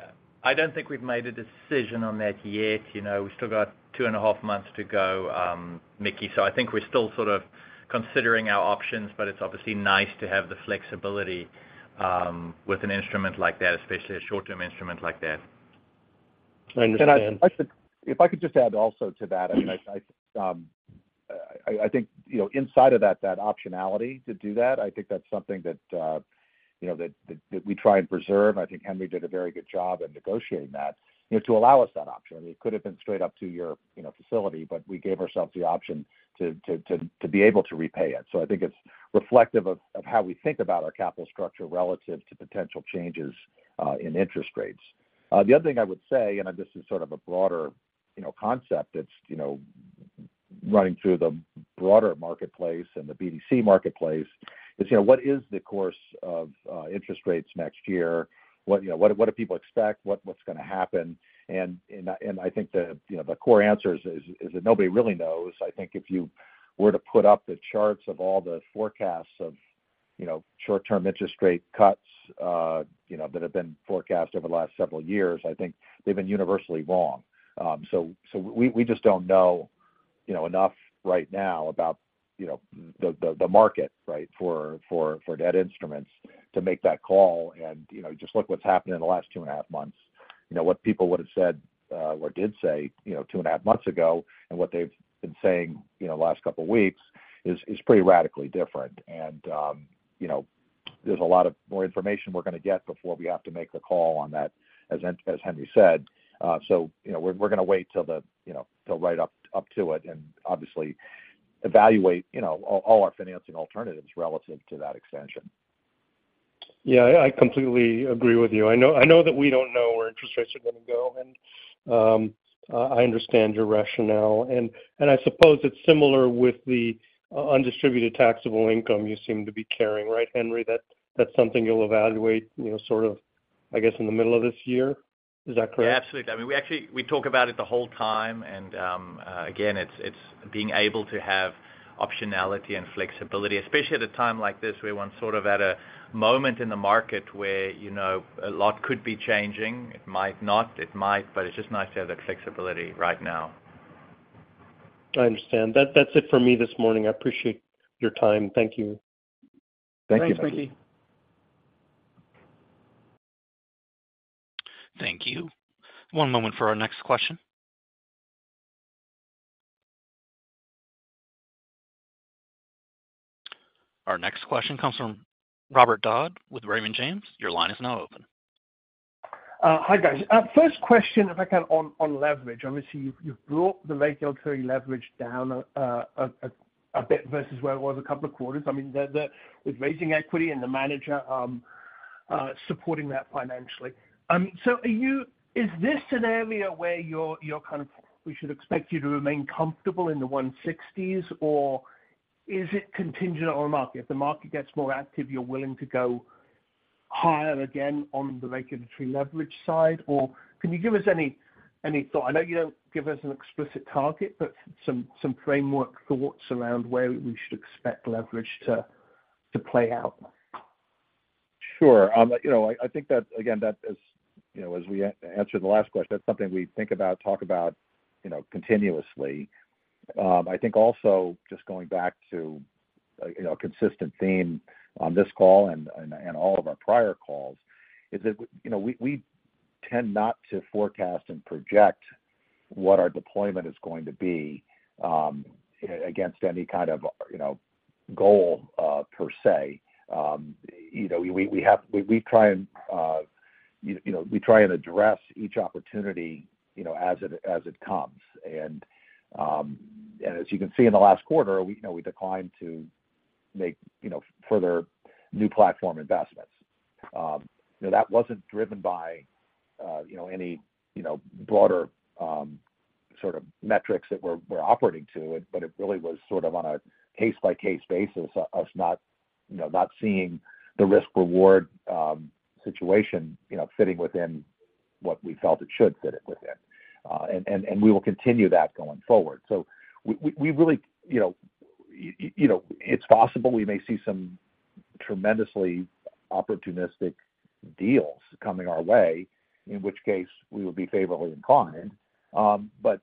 I don't think we've made a decision on that yet. You know, we've still got two and a half months to go, Mickey. So I think we're still sort of considering our options, but it's obviously nice to have the flexibility with an instrument like that, especially a short-term instrument like that. I understand. If I could just add also to that, I mean, I think, you know, inside of that optionality to do that, I think that's something that, you know, that we try and preserve. I think Henri did a very good job in negotiating that, you know, to allow us that option. It could have been straight up to your, you know, facility, but we gave ourselves the option to be able to repay it. So I think it's reflective of how we think about our capital structure relative to potential changes in interest rates. The other thing I would say, and this is sort of a broader, you know, concept, it's, you know, running through the broader marketplace and the BDC marketplace is, you know, what is the course of interest rates next year? You know, what do people expect? What's gonna happen? And I think the core answer is that nobody really knows. I think if you were to put up the charts of all the forecasts of short-term interest rate cuts that have been forecast over the last several years, I think they've been universally wrong. So we just don't know enough right now about the market for debt instruments to make that call. And just look what's happened in the last two and a half months. You know, what people would have said or did say, you know, 2.5 months ago, and what they've been saying, you know, the last couple of weeks is pretty radically different. And, you know, there's a lot more information we're gonna get before we have to make the call on that, as Henri said. So, you know, we're gonna wait till the, you know, till right up to it, and obviously evaluate, you know, all our financing alternatives relative to that extension. Yeah, I completely agree with you. I know, I know that we don't know where interest rates are gonna go, and I understand your rationale. And I suppose it's similar with the undistributed taxable income you seem to be carrying, right, Henri? That's something you'll evaluate, you know, sort of, I guess, in the middle of this year. Is that correct? Yeah, absolutely. I mean, we actually... We talk about it the whole time, and, again, it's being able to have optionality and flexibility, especially at a time like this, where one's sort of at a moment in the market where, you know, a lot could be changing. It might not, it might, but it's just nice to have that flexibility right now. I understand. That, that's it for me this morning. I appreciate your time. Thank you. Thank you. Thanks, Mickey. Thank you. One moment for our next question. Our next question comes from Robert Dodd with Raymond James. Your line is now open. Hi, guys. First question, if I can, on leverage. Obviously, you've brought the regulatory leverage down a bit versus where it was a couple of quarters. I mean, the with raising equity and the manager supporting that financially. So are you—is this an area where you're kind of we should expect you to remain comfortable in the 160s, or is it contingent on the market? If the market gets more active, you're willing to go higher again on the regulatory leverage side? Or can you give us any thought? I know you don't give us an explicit target, but some framework thoughts around where we should expect leverage to play out. Sure. You know, I think that, again, that is, you know, as we answered the last question, that's something we think about, talk about, you know, continuously. I think also just going back to, you know, a consistent theme on this call and all of our prior calls is that, you know, we tend not to forecast and project what our deployment is going to be against any kind of, you know, goal per se. You know, we try and, you know, we try and address each opportunity, you know, as it comes. And as you can see in the last quarter, you know, we declined to make, you know, further new platform investments. You know, that wasn't driven by, you know, any, you know, broader, sort of metrics that we're operating to, but it really was sort of on a case-by-case basis of not, you know, not seeing the risk/reward, situation, you know, fitting within what we felt it should fit it within. And we will continue that going forward. So we really, you know, you know, it's possible we may see some tremendously opportunistic deals coming our way, in which case we will be favorably inclined. But,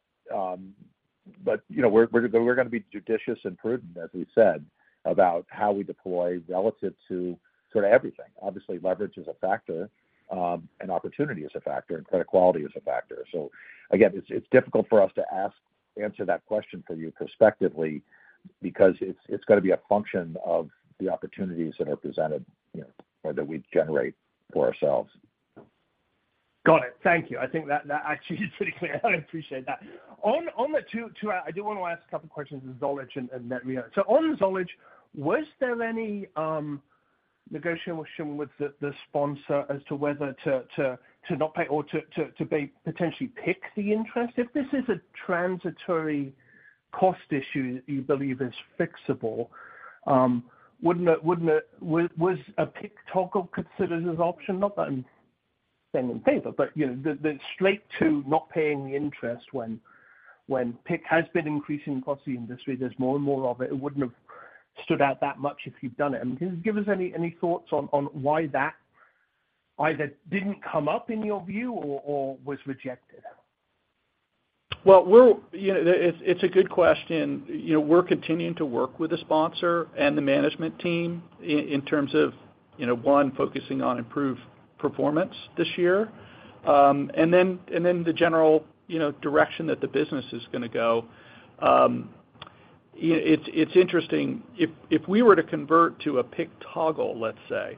you know, we're gonna be judicious and prudent, as we said, about how we deploy relative to sort of everything. Obviously, leverage is a factor, and opportunity is a factor, and credit quality is a factor. So again, it's difficult for us to answer that question prospectively, because it's gonna be a function of the opportunities that are presented, you know, or that we generate for ourselves. Got it. Thank you. I think that actually is pretty clear. I appreciate that. On the two... I do want to ask a couple of questions on Zollege and Netreo. So on Zollege, was there any negotiation with the sponsor as to whether to not pay or to be potentially PIK the interest? If this is a transitory cost issue you believe is fixable, wouldn't it-- was a PIK toggle considered as an option? Not that I'm saying in favor, but you know, the straight to not paying the interest when PIK has been increasing across the industry, there's more and more of it, it wouldn't have stood out that much if you've done it. I mean, can you give us any, any thoughts on, on why that either didn't come up in your view or, or was rejected? Well, we'll. You know, it's a good question. You know, we're continuing to work with the sponsor and the management team in terms of, you know, one, focusing on improved performance this year, and then the general, you know, direction that the business is gonna go. It's interesting, if we were to convert to a PIK toggle, let's say,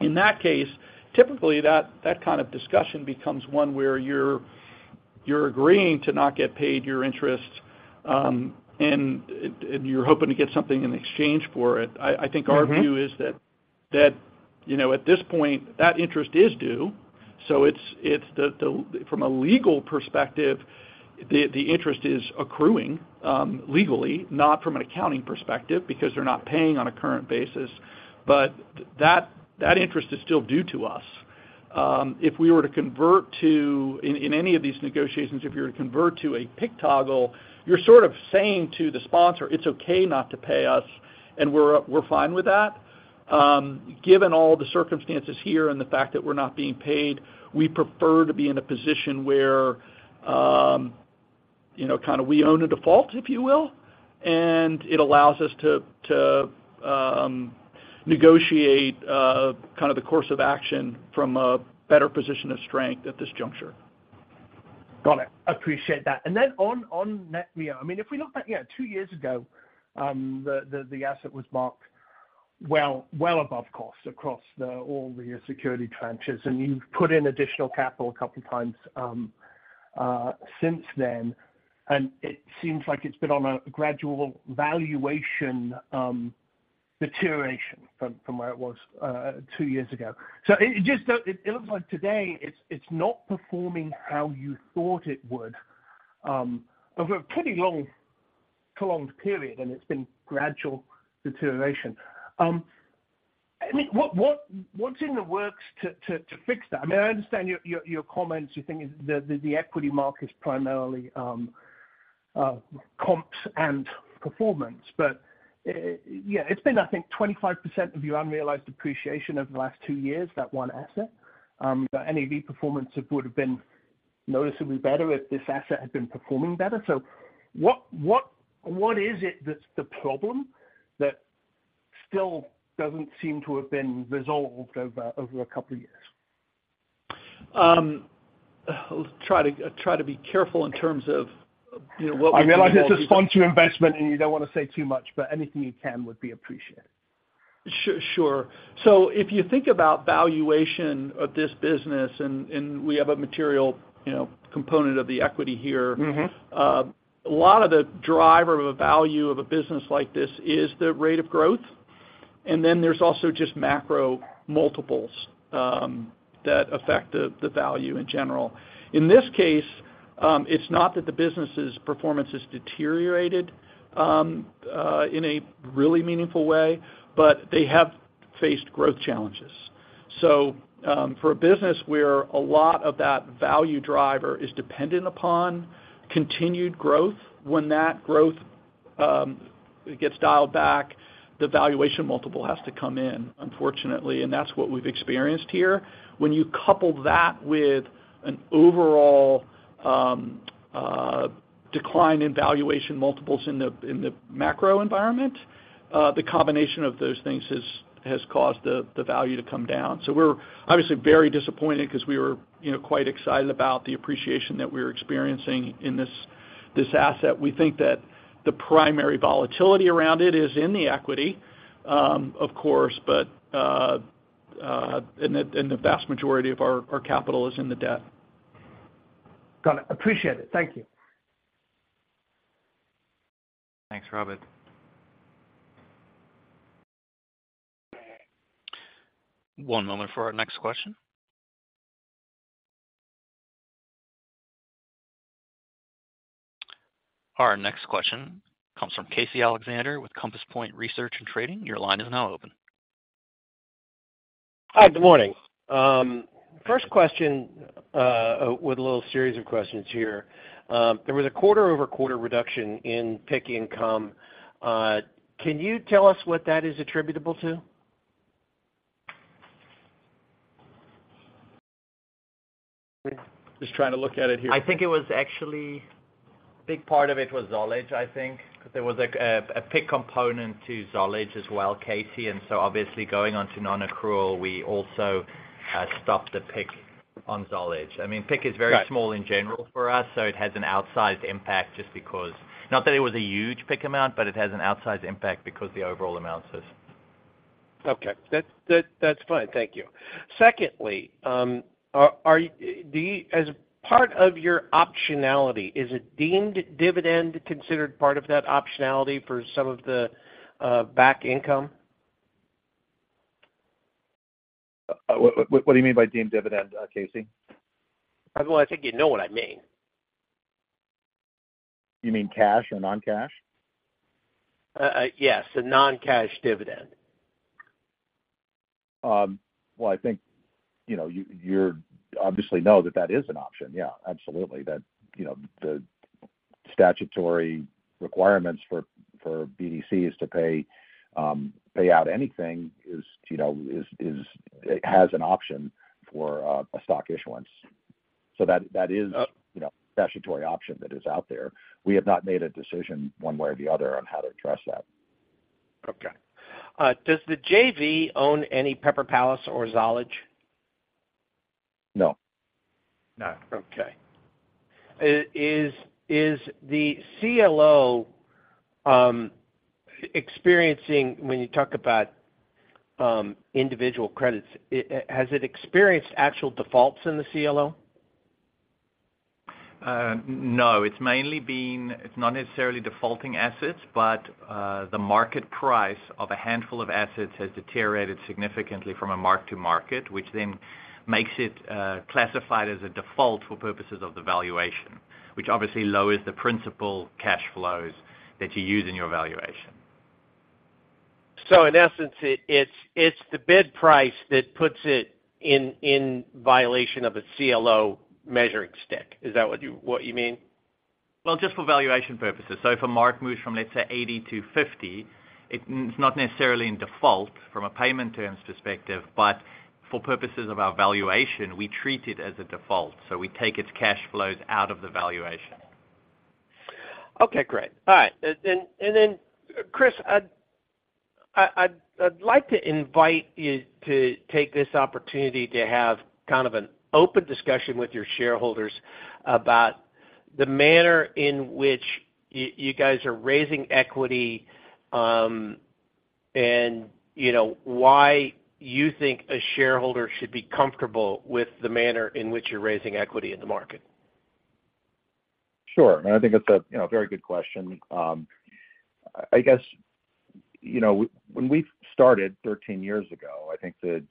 in that case, typically, that kind of discussion becomes one where you're agreeing to not get paid your interest, and you're hoping to get something in exchange for it. Mm-hmm. I think our view is that, you know, at this point, that interest is due. So it's from a legal perspective, the interest is accruing legally, not from an accounting perspective, because they're not paying on a current basis, but that interest is still due to us. If we were to convert to any of these negotiations, if you were to convert to a PIK toggle, you're sort of saying to the sponsor, "It's okay not to pay us, and we're fine with that." Given all the circumstances here and the fact that we're not being paid, we prefer to be in a position where you know kind of we own a default, if you will, and it allows us to negotiate kind of the course of action from a better position of strength at this juncture. Got it. Appreciate that. And then on Netreo, I mean, if we look back, yeah, two years ago, the asset was marked well above cost across all the security tranches, and you've put in additional capital a couple of times since then, and it seems like it's been on a gradual valuation deterioration from where it was two years ago. So it just don't - it looks like today, it's not performing how you thought it would over a pretty long, prolonged period, and it's been gradual deterioration. I mean, what, what's in the works to fix that? I mean, I understand your comments. You think the equity market is primarily comps and performance, but yeah, it's been, I think, 25% of your unrealized appreciation over the last two years, that one asset. The NAV performance would have been noticeably better if this asset had been performing better. So what is it that's the problem that still doesn't seem to have been resolved over a couple of years? I'll try to be careful in terms of, you know, what we- I realize it's a sponsored investment, and you don't want to say too much, but anything you can would be appreciated. Sure. So if you think about valuation of this business, and we have a material, you know, component of the equity here- Mm-hmm. A lot of the driver of a value of a business like this is the rate of growth, and then there's also just macro multiples that affect the value in general. In this case, it's not that the business's performance has deteriorated in a really meaningful way, but they have faced growth challenges. So, for a business where a lot of that value driver is dependent upon continued growth, when that growth gets dialed back, the valuation multiple has to come in, unfortunately, and that's what we've experienced here. When you couple that with an overall decline in valuation multiples in the macro environment, the combination of those things has caused the value to come down. We're obviously very disappointed because we were, you know, quite excited about the appreciation that we were experiencing in this asset. We think that the primary volatility around it is in the equity, of course, but, and the vast majority of our capital is in the debt. Got it. Appreciate it. Thank you. Thanks, Robert. One moment for our next question. Our next question comes from Casey Alexander with Compass Point Research and Trading. Your line is now open. Hi, good morning. First question, with a little series of questions here. There was a quarter-over-quarter reduction in PIK income. Can you tell us what that is attributable to? Just trying to look at it here. I think it was actually a big part of it was Zollege, I think, because there was a PIK component to Zollege as well, Casey, and so obviously going on to non-accrual, we also stopped the PIK on Zollege. I mean, PIK is very small in general for us, so it has an outsized impact just because... Not that it was a huge PIK amount, but it has an outsized impact because the overall amount is- Okay. That's fine. Thank you. Secondly, as part of your optionality, is a deemed dividend considered part of that optionality for some of the back income? What do you mean by deemed dividend, Casey? Well, I think you know what I mean. You mean cash or non-cash? Yes, a non-cash dividend. Well, I think, you know, you, you obviously know that that is an option. Yeah, absolutely. That, you know, the statutory requirements for BDCs to pay out anything is, you know, it has an option for a stock issuance. So that, that is, you know, a statutory option that is out there. We have not made a decision one way or the other on how to address that. Okay. Does the JV own any Pepper Palace or Zollege? No. No. Okay. Is the CLO experiencing, when you talk about individual credits, has it experienced actual defaults in the CLO?... No, it's mainly been; it's not necessarily defaulting assets, but the market price of a handful of assets has deteriorated significantly from a mark to market, which then makes it classified as a default for purposes of the valuation, which obviously lowers the principal cash flows that you use in your valuation. In essence, it's the bid price that puts it in violation of a CLO measuring stick. Is that what you mean? Well, just for valuation purposes. So if a mark moves from, let's say, 80-50, it's not necessarily in default from a payment terms perspective, but for purposes of our valuation, we treat it as a default. So we take its cash flows out of the valuation. Okay, great. All right. And then, Chris, I'd like to invite you to take this opportunity to have kind of an open discussion with your shareholders about the manner in which you guys are raising equity, and, you know, why you think a shareholder should be comfortable with the manner in which you're raising equity in the market. Sure. And I think that's a, you know, very good question. I guess, you know, when we started 13 years ago, I think the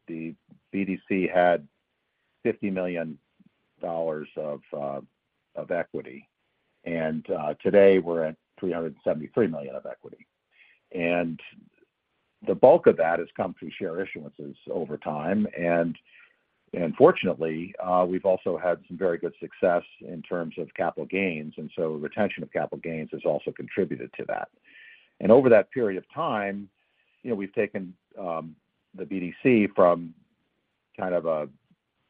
BDC had $50 million of equity, and today we're at $373 million of equity. And the bulk of that has come through share issuances over time. And fortunately, we've also had some very good success in terms of capital gains, and so retention of capital gains has also contributed to that. And over that period of time, you know, we've taken the BDC from kind of a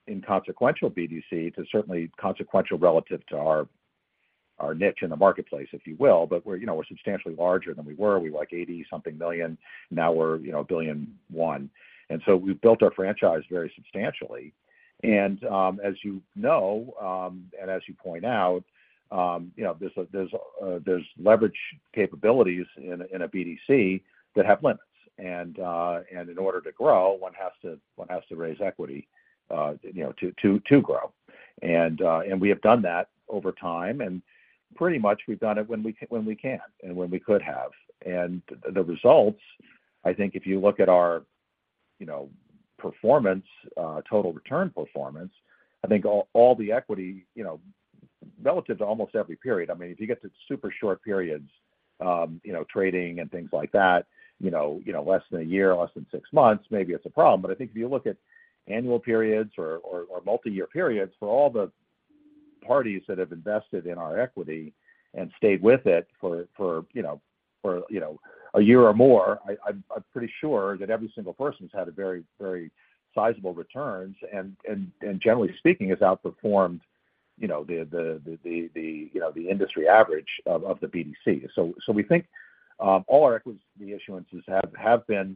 inconsequential BDC to certainly consequential relative to our niche in the marketplace, if you will. But we're, you know, we're substantially larger than we were. We were like $80-something million, now we're, you know, $1 billion and one. And so we've built our franchise very substantially. And, as you know, and as you point out, you know, there's leverage capabilities in a BDC that have limits. And, in order to grow, one has to raise equity, you know, to grow. And, we have done that over time, and pretty much we've done it when we can and when we could have. And the results, I think if you look at our, you know, performance, total return performance, I think all the equity, you know, relative to almost every period. I mean, if you get to super short periods, you know, trading and things like that, you know, less than a year, less than six months, maybe it's a problem. But I think if you look at annual periods or multi-year periods, for all the parties that have invested in our equity and stayed with it for, you know, a year or more, I'm pretty sure that every single person's had very sizable returns and generally speaking, has outperformed, you know, the industry average of the BDC. So we think all our equity issuances have been,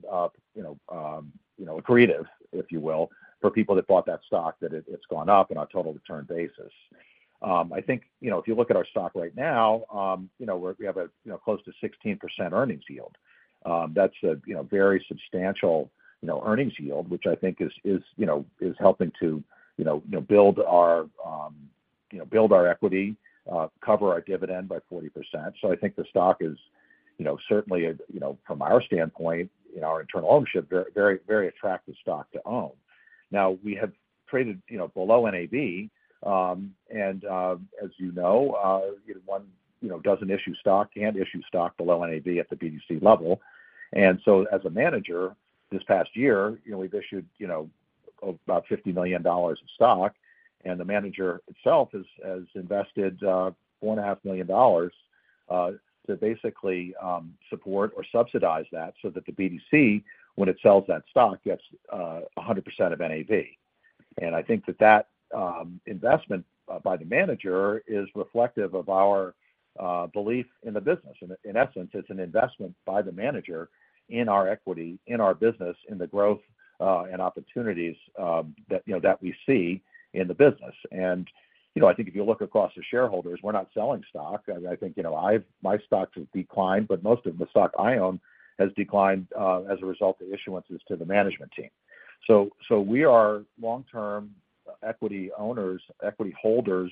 you know, accretive, if you will, for people that bought that stock, that it's gone up on a total return basis. I think, you know, if you look at our stock right now, you know, we have a, you know, close to 16% earnings yield. That's a, you know, very substantial, you know, earnings yield, which I think is, you know, is helping to, you know, you know, build our equity, cover our dividend by 40%. So I think the stock is, you know, certainly, you know, from our standpoint, in our internal ownership, very, very attractive stock to own. Now, we have traded, you know, below NAV, and, as you know, one, you know, doesn't issue stock, can't issue stock below NAV at the BDC level. So as a manager, this past year, you know, we've issued, you know, about $50 million of stock, and the manager itself has invested $4.5 million to basically support or subsidize that, so that the BDC, when it sells that stock, gets 100% of NAV. And I think that investment by the manager is reflective of our belief in the business. In essence, it's an investment by the manager in our equity, in our business, in the growth and opportunities that, you know, that we see in the business. And, you know, I think if you look across the shareholders, we're not selling stock. I think, you know, I've—my stock has declined, but most of the stock I own has declined as a result of issuances to the management team. So we are long-term equity owners, equity holders,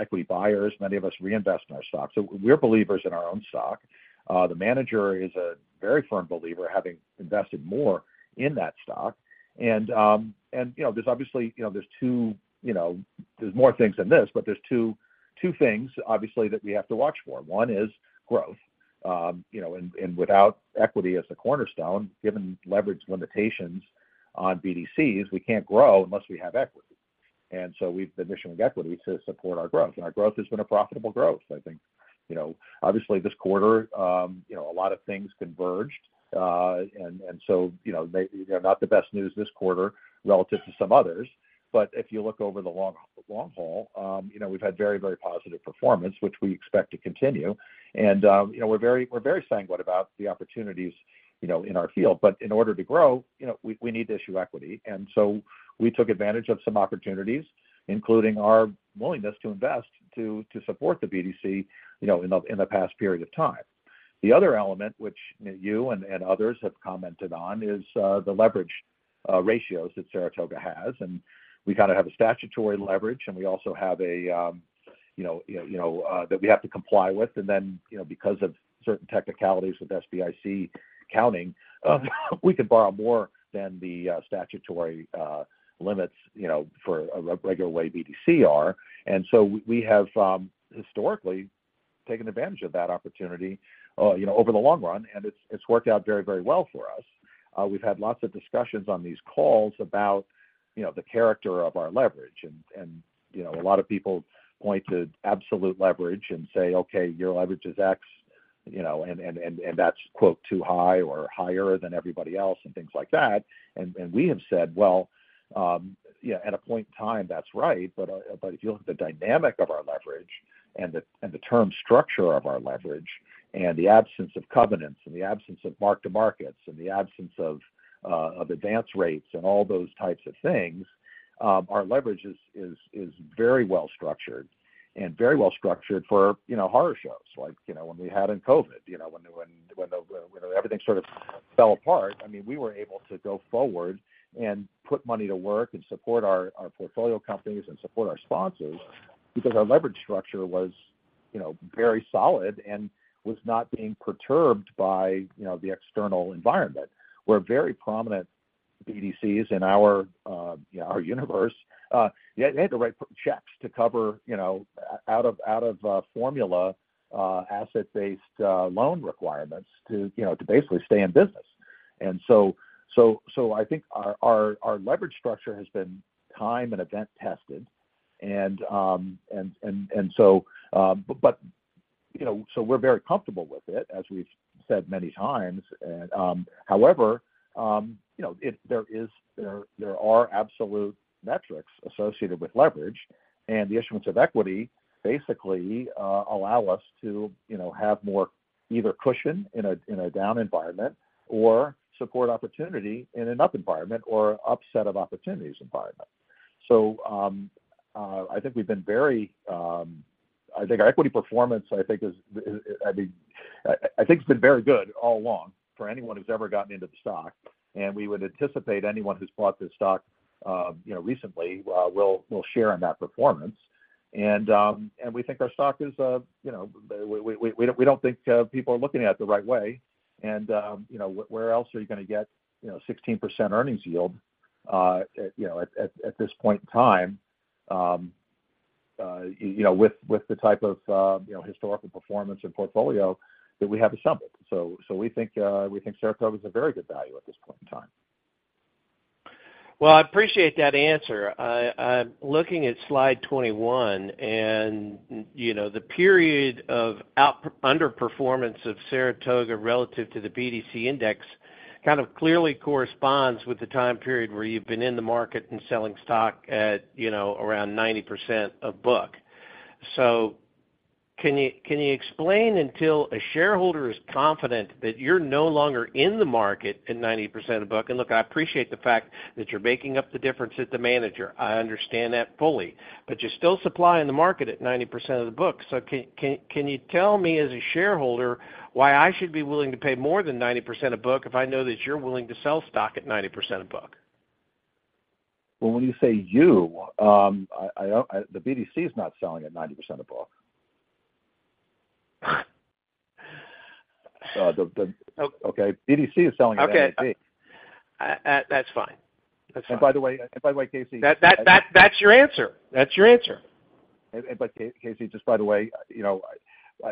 equity buyers. Many of us reinvest in our stock, so we're believers in our own stock. The manager is a very firm believer, having invested more in that stock. And, you know, there's obviously, you know, two things that we have to watch for. You know, there's more things than this, but there's two things, obviously, that we have to watch for. One is growth. You know, without equity as a cornerstone, given leverage limitations on BDCs, we can't grow unless we have equity. And so we've been issuing equity to support our growth, and our growth has been a profitable growth. I think, you know, obviously this quarter, you know, a lot of things converged. And so, you know, they're not the best news this quarter relative to some others. But if you look over the long, long haul, you know, we've had very, very positive performance, which we expect to continue. And, you know, we're very sanguine about the opportunities, you know, in our field. But in order to grow, you know, we need to issue equity. And so we took advantage of some opportunities, including our willingness to invest to support the BDC, you know, in the past period of time.... The other element, which, you know, you and others have commented on, is the leverage ratios that Saratoga has. We kind of have a statutory leverage, and we also have a, you know, that we have to comply with. And then, you know, because of certain technicalities with SBIC accounting, we can borrow more than the, statutory, limits, you know, for a regular way BDC are. And so we have historically taken advantage of that opportunity, you know, over the long run, and it's worked out very, very well for us. We've had lots of discussions on these calls about, you know, the character of our leverage. And, you know, a lot of people point to absolute leverage and say, "Okay, your leverage is X," you know, and that's quote, too high or higher than everybody else, and things like that. We have said, well, yeah, at a point in time, that's right. But if you look at the dynamic of our leverage and the term structure of our leverage, and the absence of covenants, and the absence of mark to markets, and the absence of advance rates and all those types of things, our leverage is very well structured and very well structured for, you know, horror shows. Like, you know, when we had in COVID, you know, when everything sort of fell apart, I mean, we were able to go forward and put money to work and support our portfolio companies and support our sponsors because our leverage structure was, you know, very solid and was not being perturbed by, you know, the external environment. Whereas very prominent BDCs in our, you know, our universe, they had to write checks to cover, you know, out of formula asset-based loan requirements to, you know, to basically stay in business. And so I think our leverage structure has been time and event-tested. And so, but you know, so we're very comfortable with it, as we've said many times. And however, you know, if there are absolute metrics associated with leverage, and the issuance of equity basically allow us to, you know, have more either cushion in a down environment or support opportunity in an up environment or upset of opportunities environment. So I think we've been very... I think our equity performance, I mean, I think it's been very good all along for anyone who's ever gotten into the stock, and we would anticipate anyone who's bought this stock, you know, recently, will share in that performance. And we think our stock is, you know, we don't think people are looking at it the right way. And, you know, where else are you going to get, you know, 16% earnings yield, you know, at this point in time, you know, with the type of, you know, historical performance and portfolio that we have assembled? So we think Saratoga is a very good value at this point in time. Well, I appreciate that answer. I'm looking at slide 21, and, you know, the period of underperformance of Saratoga relative to the BDC index kind of clearly corresponds with the time period where you've been in the market and selling stock at, you know, around 90% of book. So can you explain until a shareholder is confident that you're no longer in the market at 90% of book? And look, I appreciate the fact that you're making up the difference as the manager. I understand that fully, but you're still supplying the market at 90% of the book. So can you tell me, as a shareholder, why I should be willing to pay more than 90% of book if I know that you're willing to sell stock at 90% of book? Well, when you say you, the BDC is not selling at 90% of book. Okay. Okay, BDC is selling at 90%. Okay. That's fine. That's fine. By the way, Casey- That's your answer. That's your answer. But Casey, just by the way, you know,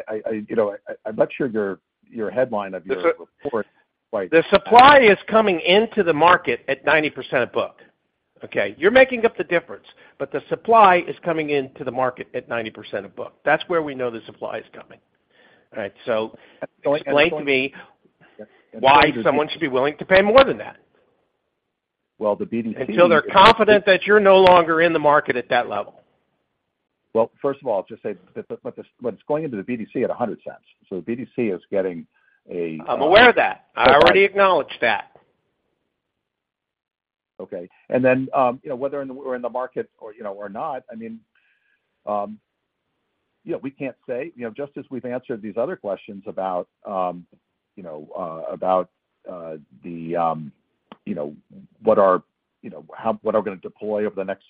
I'm not sure your, your headline of your report, like- The supply is coming into the market at 90% of book, okay? You're making up the difference, but the supply is coming into the market at 90% of book. That's where we know the supply is coming. All right, so explain to me why someone should be willing to pay more than that? Well, the BDC- Until they're confident that you're no longer in the market at that level. Well, first of all, I'll just say that, but this, but it's going into the BDC at $1.00. So the BDC is getting a I'm aware of that. I already acknowledged that. Okay. And then, you know, whether we're in the market or, you know, or not, I mean, yeah, we can't say. You know, just as we've answered these other questions about, you know, about the, you know, what are, you know, how, what are we going to deploy over the next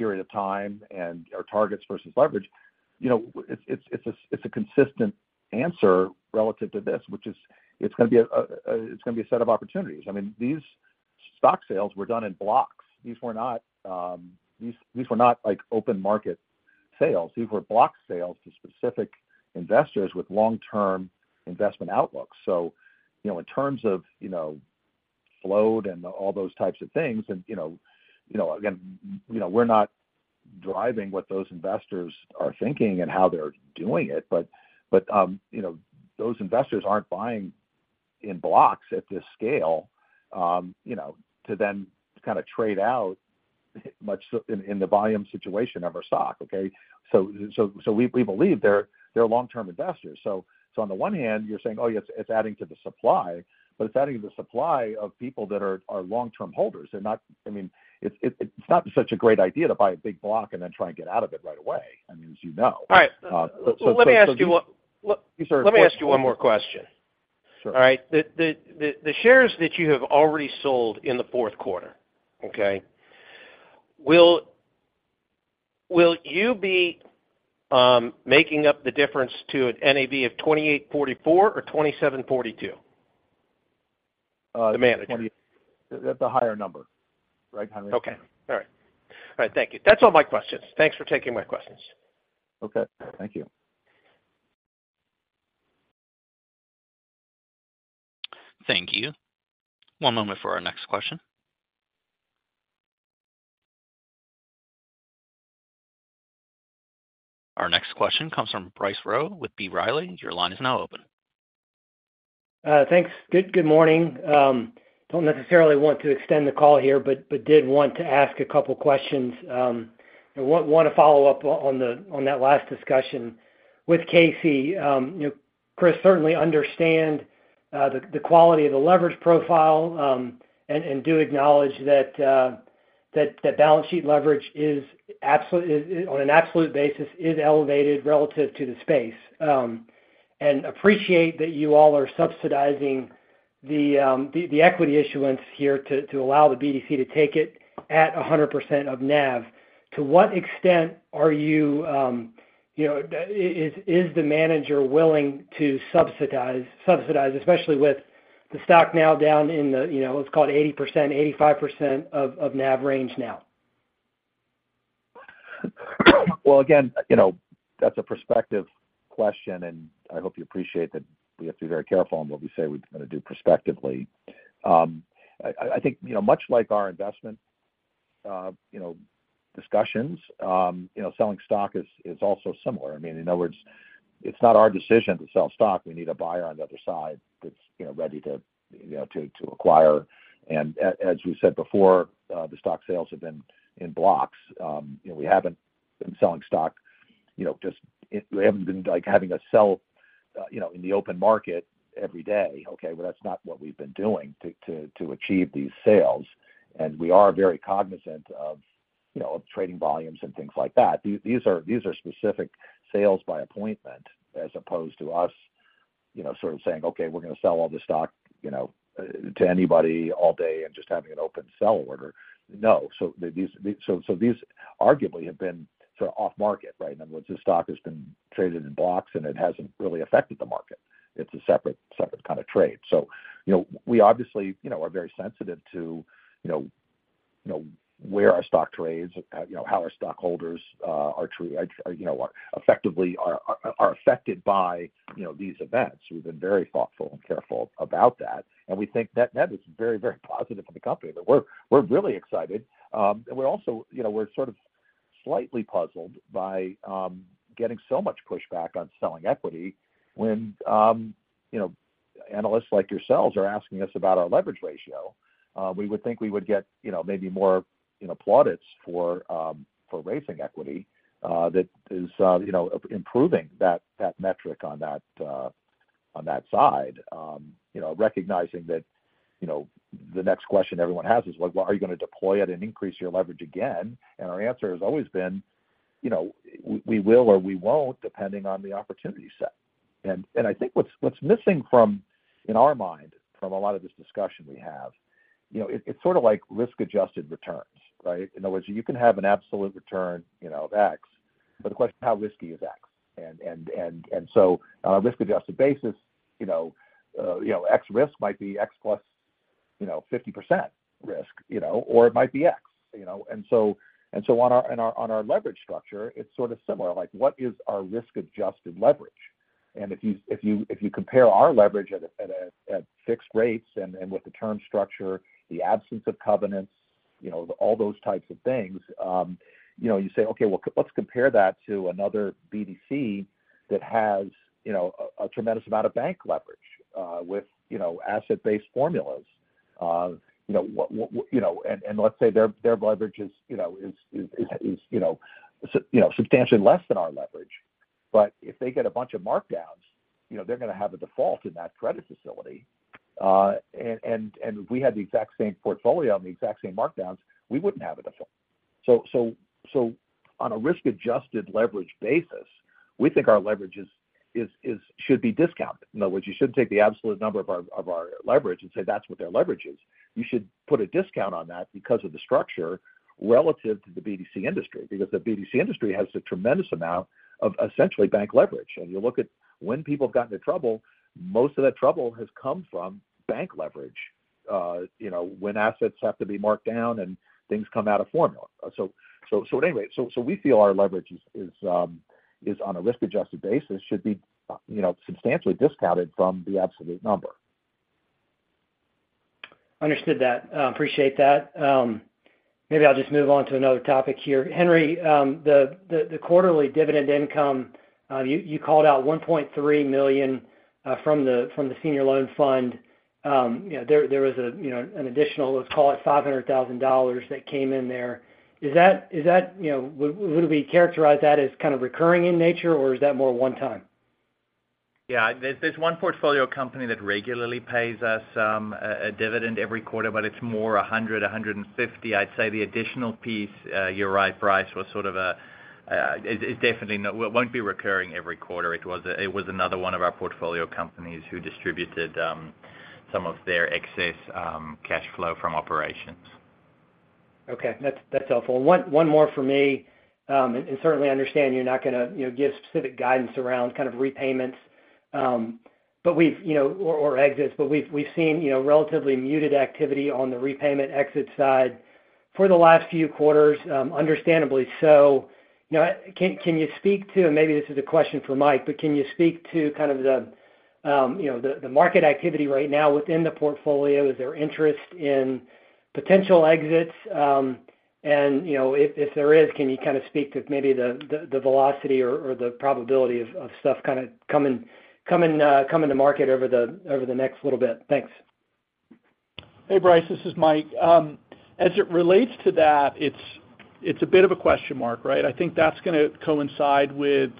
period of time and our targets versus leverage, you know, it's a consistent answer relative to this, which is it's going to be a set of opportunities. I mean, these stock sales were done in blocks. These were not like open market sales. These were block sales to specific investors with long-term investment outlook. So, you know, in terms of, you know, flow and all those types of things, and, you know, again, you know, we're not driving what those investors are thinking and how they're doing it, but, you know, those investors aren't buying in blocks at this scale, you know, to then kind of trade out much in the volume situation of our stock, okay? So, we believe they're long-term investors. So on the one hand, you're saying, "Oh, yes, it's adding to the supply," but it's adding to the supply of people that are long-term holders. They're not—I mean, it's not such a great idea to buy a big block and then try and get out of it right away. I mean, as you know. All right. So- Let me ask you one- Sorry- Let me ask you one more question.... All right, the shares that you have already sold in the Q4, okay? Will you be making up the difference to an NAV of 28.44 or 27.42? The manager. The higher number. Right. Okay. All right. All right, thank you. That's all my questions. Thanks for taking my questions. Okay, thank you. Thank you. One moment for our next question. Our next question comes from Bryce Rowe with B. Riley. Your line is now open. Thanks. Good morning. Don't necessarily want to extend the call here, but did want to ask a couple questions. Want to follow up on that last discussion with Casey. You know, Chris, certainly understand the quality of the leverage profile, and do acknowledge that that balance sheet leverage, on an absolute basis, is elevated relative to the space. And appreciate that you all are subsidizing the equity issuance here to allow the BDC to take it at 100% of NAV. To what extent are you, you know, is the manager willing to subsidize, especially with the stock now down in the, you know, let's call it 80%-85% of NAV range now? Well, again, you know, that's a prospective question, and I hope you appreciate that we have to be very careful on what we say we're going to do prospectively. I think, you know, much like our investment, you know, discussions, you know, selling stock is also similar. I mean, in other words, it's not our decision to sell stock. We need a buyer on the other side that's, you know, ready to acquire. And as we said before, the stock sales have been in blocks. You know, we haven't been selling stock, you know, just... We haven't been, like, having to sell in the open market every day, okay? But that's not what we've been doing to achieve these sales. And we are very cognizant of, you know, trading volumes and things like that. These are specific sales by appointment, as opposed to us, you know, sort of saying, "Okay, we're going to sell all this stock, you know, to anybody all day," and just having an open sell order. No. So these arguably have been sort of off-market, right? In other words, this stock has been traded in blocks, and it hasn't really affected the market. It's a separate kind of trade. So, you know, we obviously, you know, are very sensitive to, you know, where our stock trades, you know, how our stockholders, you know, are treated, you know, are effectively affected by, you know, these events. We've been very thoughtful and careful about that, and we think that that is very, very positive for the company. That we're really excited. And we're also, you know, we're sort of slightly puzzled by getting so much pushback on selling equity when, you know, analysts like yourselves are asking us about our leverage ratio. We would think we would get, you know, maybe more plaudits for raising equity that is improving that metric on that side. You know, recognizing that the next question everyone has is, well, are you going to deploy it and increase your leverage again? And our answer has always been, you know, we will or we won't, depending on the opportunity set. I think what's missing, in our mind, from a lot of this discussion we have, you know, it's sort of like risk-adjusted returns, right? In other words, you can have an absolute return, you know, of X, but the question is, how risky is X? And so on a risk-adjusted basis, you know, you know, X risk might be X plus, you know, 50% risk, you know, or it might be X, you know. And so on our leverage structure, it's sort of similar, like what is our risk-adjusted leverage? And if you compare our leverage at fixed rates and with the term structure, the absence of covenants, you know, all those types of things, you know, you say, okay, well let's compare that to another BDC that has, you know, a tremendous amount of bank leverage, with, you know, asset-based formulas. You know, what, you know, and let's say their leverage is, you know, substantially less than our leverage. But if they get a bunch of markdowns, you know, they're going to have a default in that credit facility. And if we had the exact same portfolio and the exact same markdowns, we wouldn't have a default. So on a risk-adjusted leverage basis, we think our leverage is—should be discounted. In other words, you shouldn't take the absolute number of our leverage and say that's what their leverage is. You should put a discount on that because of the structure relative to the BDC industry, because the BDC industry has a tremendous amount of essentially bank leverage. And you look at when people have got into trouble, most of that trouble has come from bank leverage, you know, when assets have to be marked down and things come out of formula. So anyway, so we feel our leverage is on a risk-adjusted basis, should be, you know, substantially discounted from the absolute number. Understood that. Appreciate that. Maybe I'll just move on to another topic here. Henri, the quarterly dividend income, you called out $1.3 million from the Senior Loan Fund. You know, there was a, you know, an additional, let's call it $500,000 that came in there. Is that, you know, would we characterize that as kind of recurring in nature, or is that more one time? Yeah. There's one portfolio company that regularly pays us a dividend every quarter, but it's more $100-$150. I'd say the additional piece, you're right, Bryce, was sort of a-... it definitely won't be recurring every quarter. It was another one of our portfolio companies who distributed some of their excess cash flow from operations. Okay, that's helpful. One more for me. And certainly understand you're not gonna, you know, give specific guidance around kind of repayments, but we've, you know, or, or exits, but we've seen, you know, relatively muted activity on the repayment exit side for the last few quarters, understandably so. Now, can you speak to, and maybe this is a question for Mike, but can you speak to kind of the, you know, the market activity right now within the portfolio? Is there interest in potential exits? And, you know, if there is, can you kind of speak to maybe the velocity or the probability of stuff kind of coming to market over the next little bit? Thanks. Hey, Bryce, this is Mike. As it relates to that, it's a bit of a question mark, right? I think that's gonna coincide with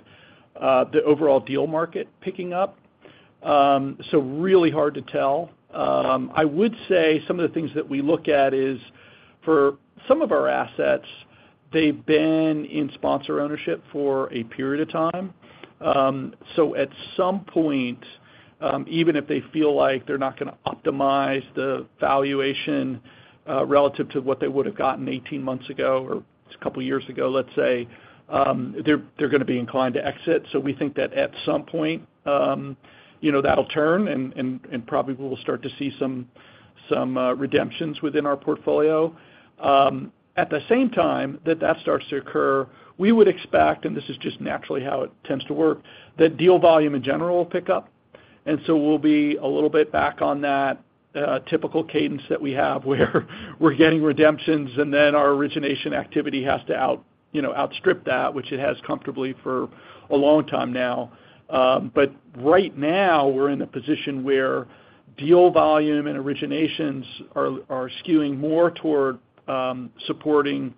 the overall deal market picking up. So really hard to tell. I would say some of the things that we look at is, for some of our assets, they've been in sponsor ownership for a period of time. So at some point, even if they feel like they're not gonna optimize the valuation, relative to what they would have gotten 18 months ago or a couple of years ago, let's say, they're gonna be inclined to exit. So we think that at some point, you know, that'll turn and probably we'll start to see some redemptions within our portfolio. At the same time that that starts to occur, we would expect, and this is just naturally how it tends to work, that deal volume in general will pick up. And so we'll be a little bit back on that typical cadence that we have, where we're getting redemptions, and then our origination activity has to out, you know, outstrip that, which it has comfortably for a long time now. But right now, we're in a position where deal volume and originations are skewing more toward supporting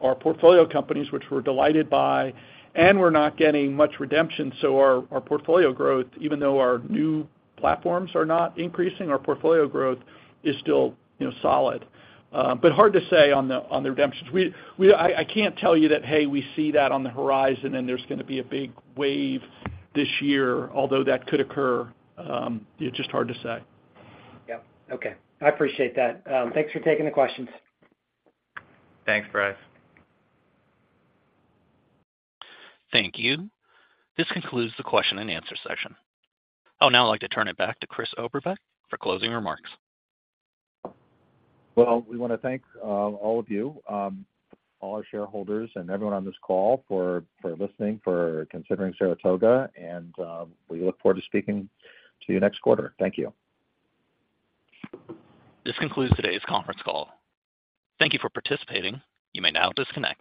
our portfolio companies, which we're delighted by, and we're not getting much redemption. So our portfolio growth, even though our new platforms are not increasing, our portfolio growth is still, you know, solid. But hard to say on the redemptions. I can't tell you that, hey, we see that on the horizon, and there's gonna be a big wave this year, although that could occur. It's just hard to say. Yep. Okay, I appreciate that. Thanks for taking the questions. Thanks, Bryce. Thank you. This concludes the question and answer session. I'll now like to turn it back to Chris Oberbeck for closing remarks. Well, we wanna thank all of you, all our shareholders and everyone on this call for, for listening, for considering Saratoga, and, we look forward to speaking to you next quarter. Thank you. This concludes today's conference call. Thank you for participating. You may now disconnect.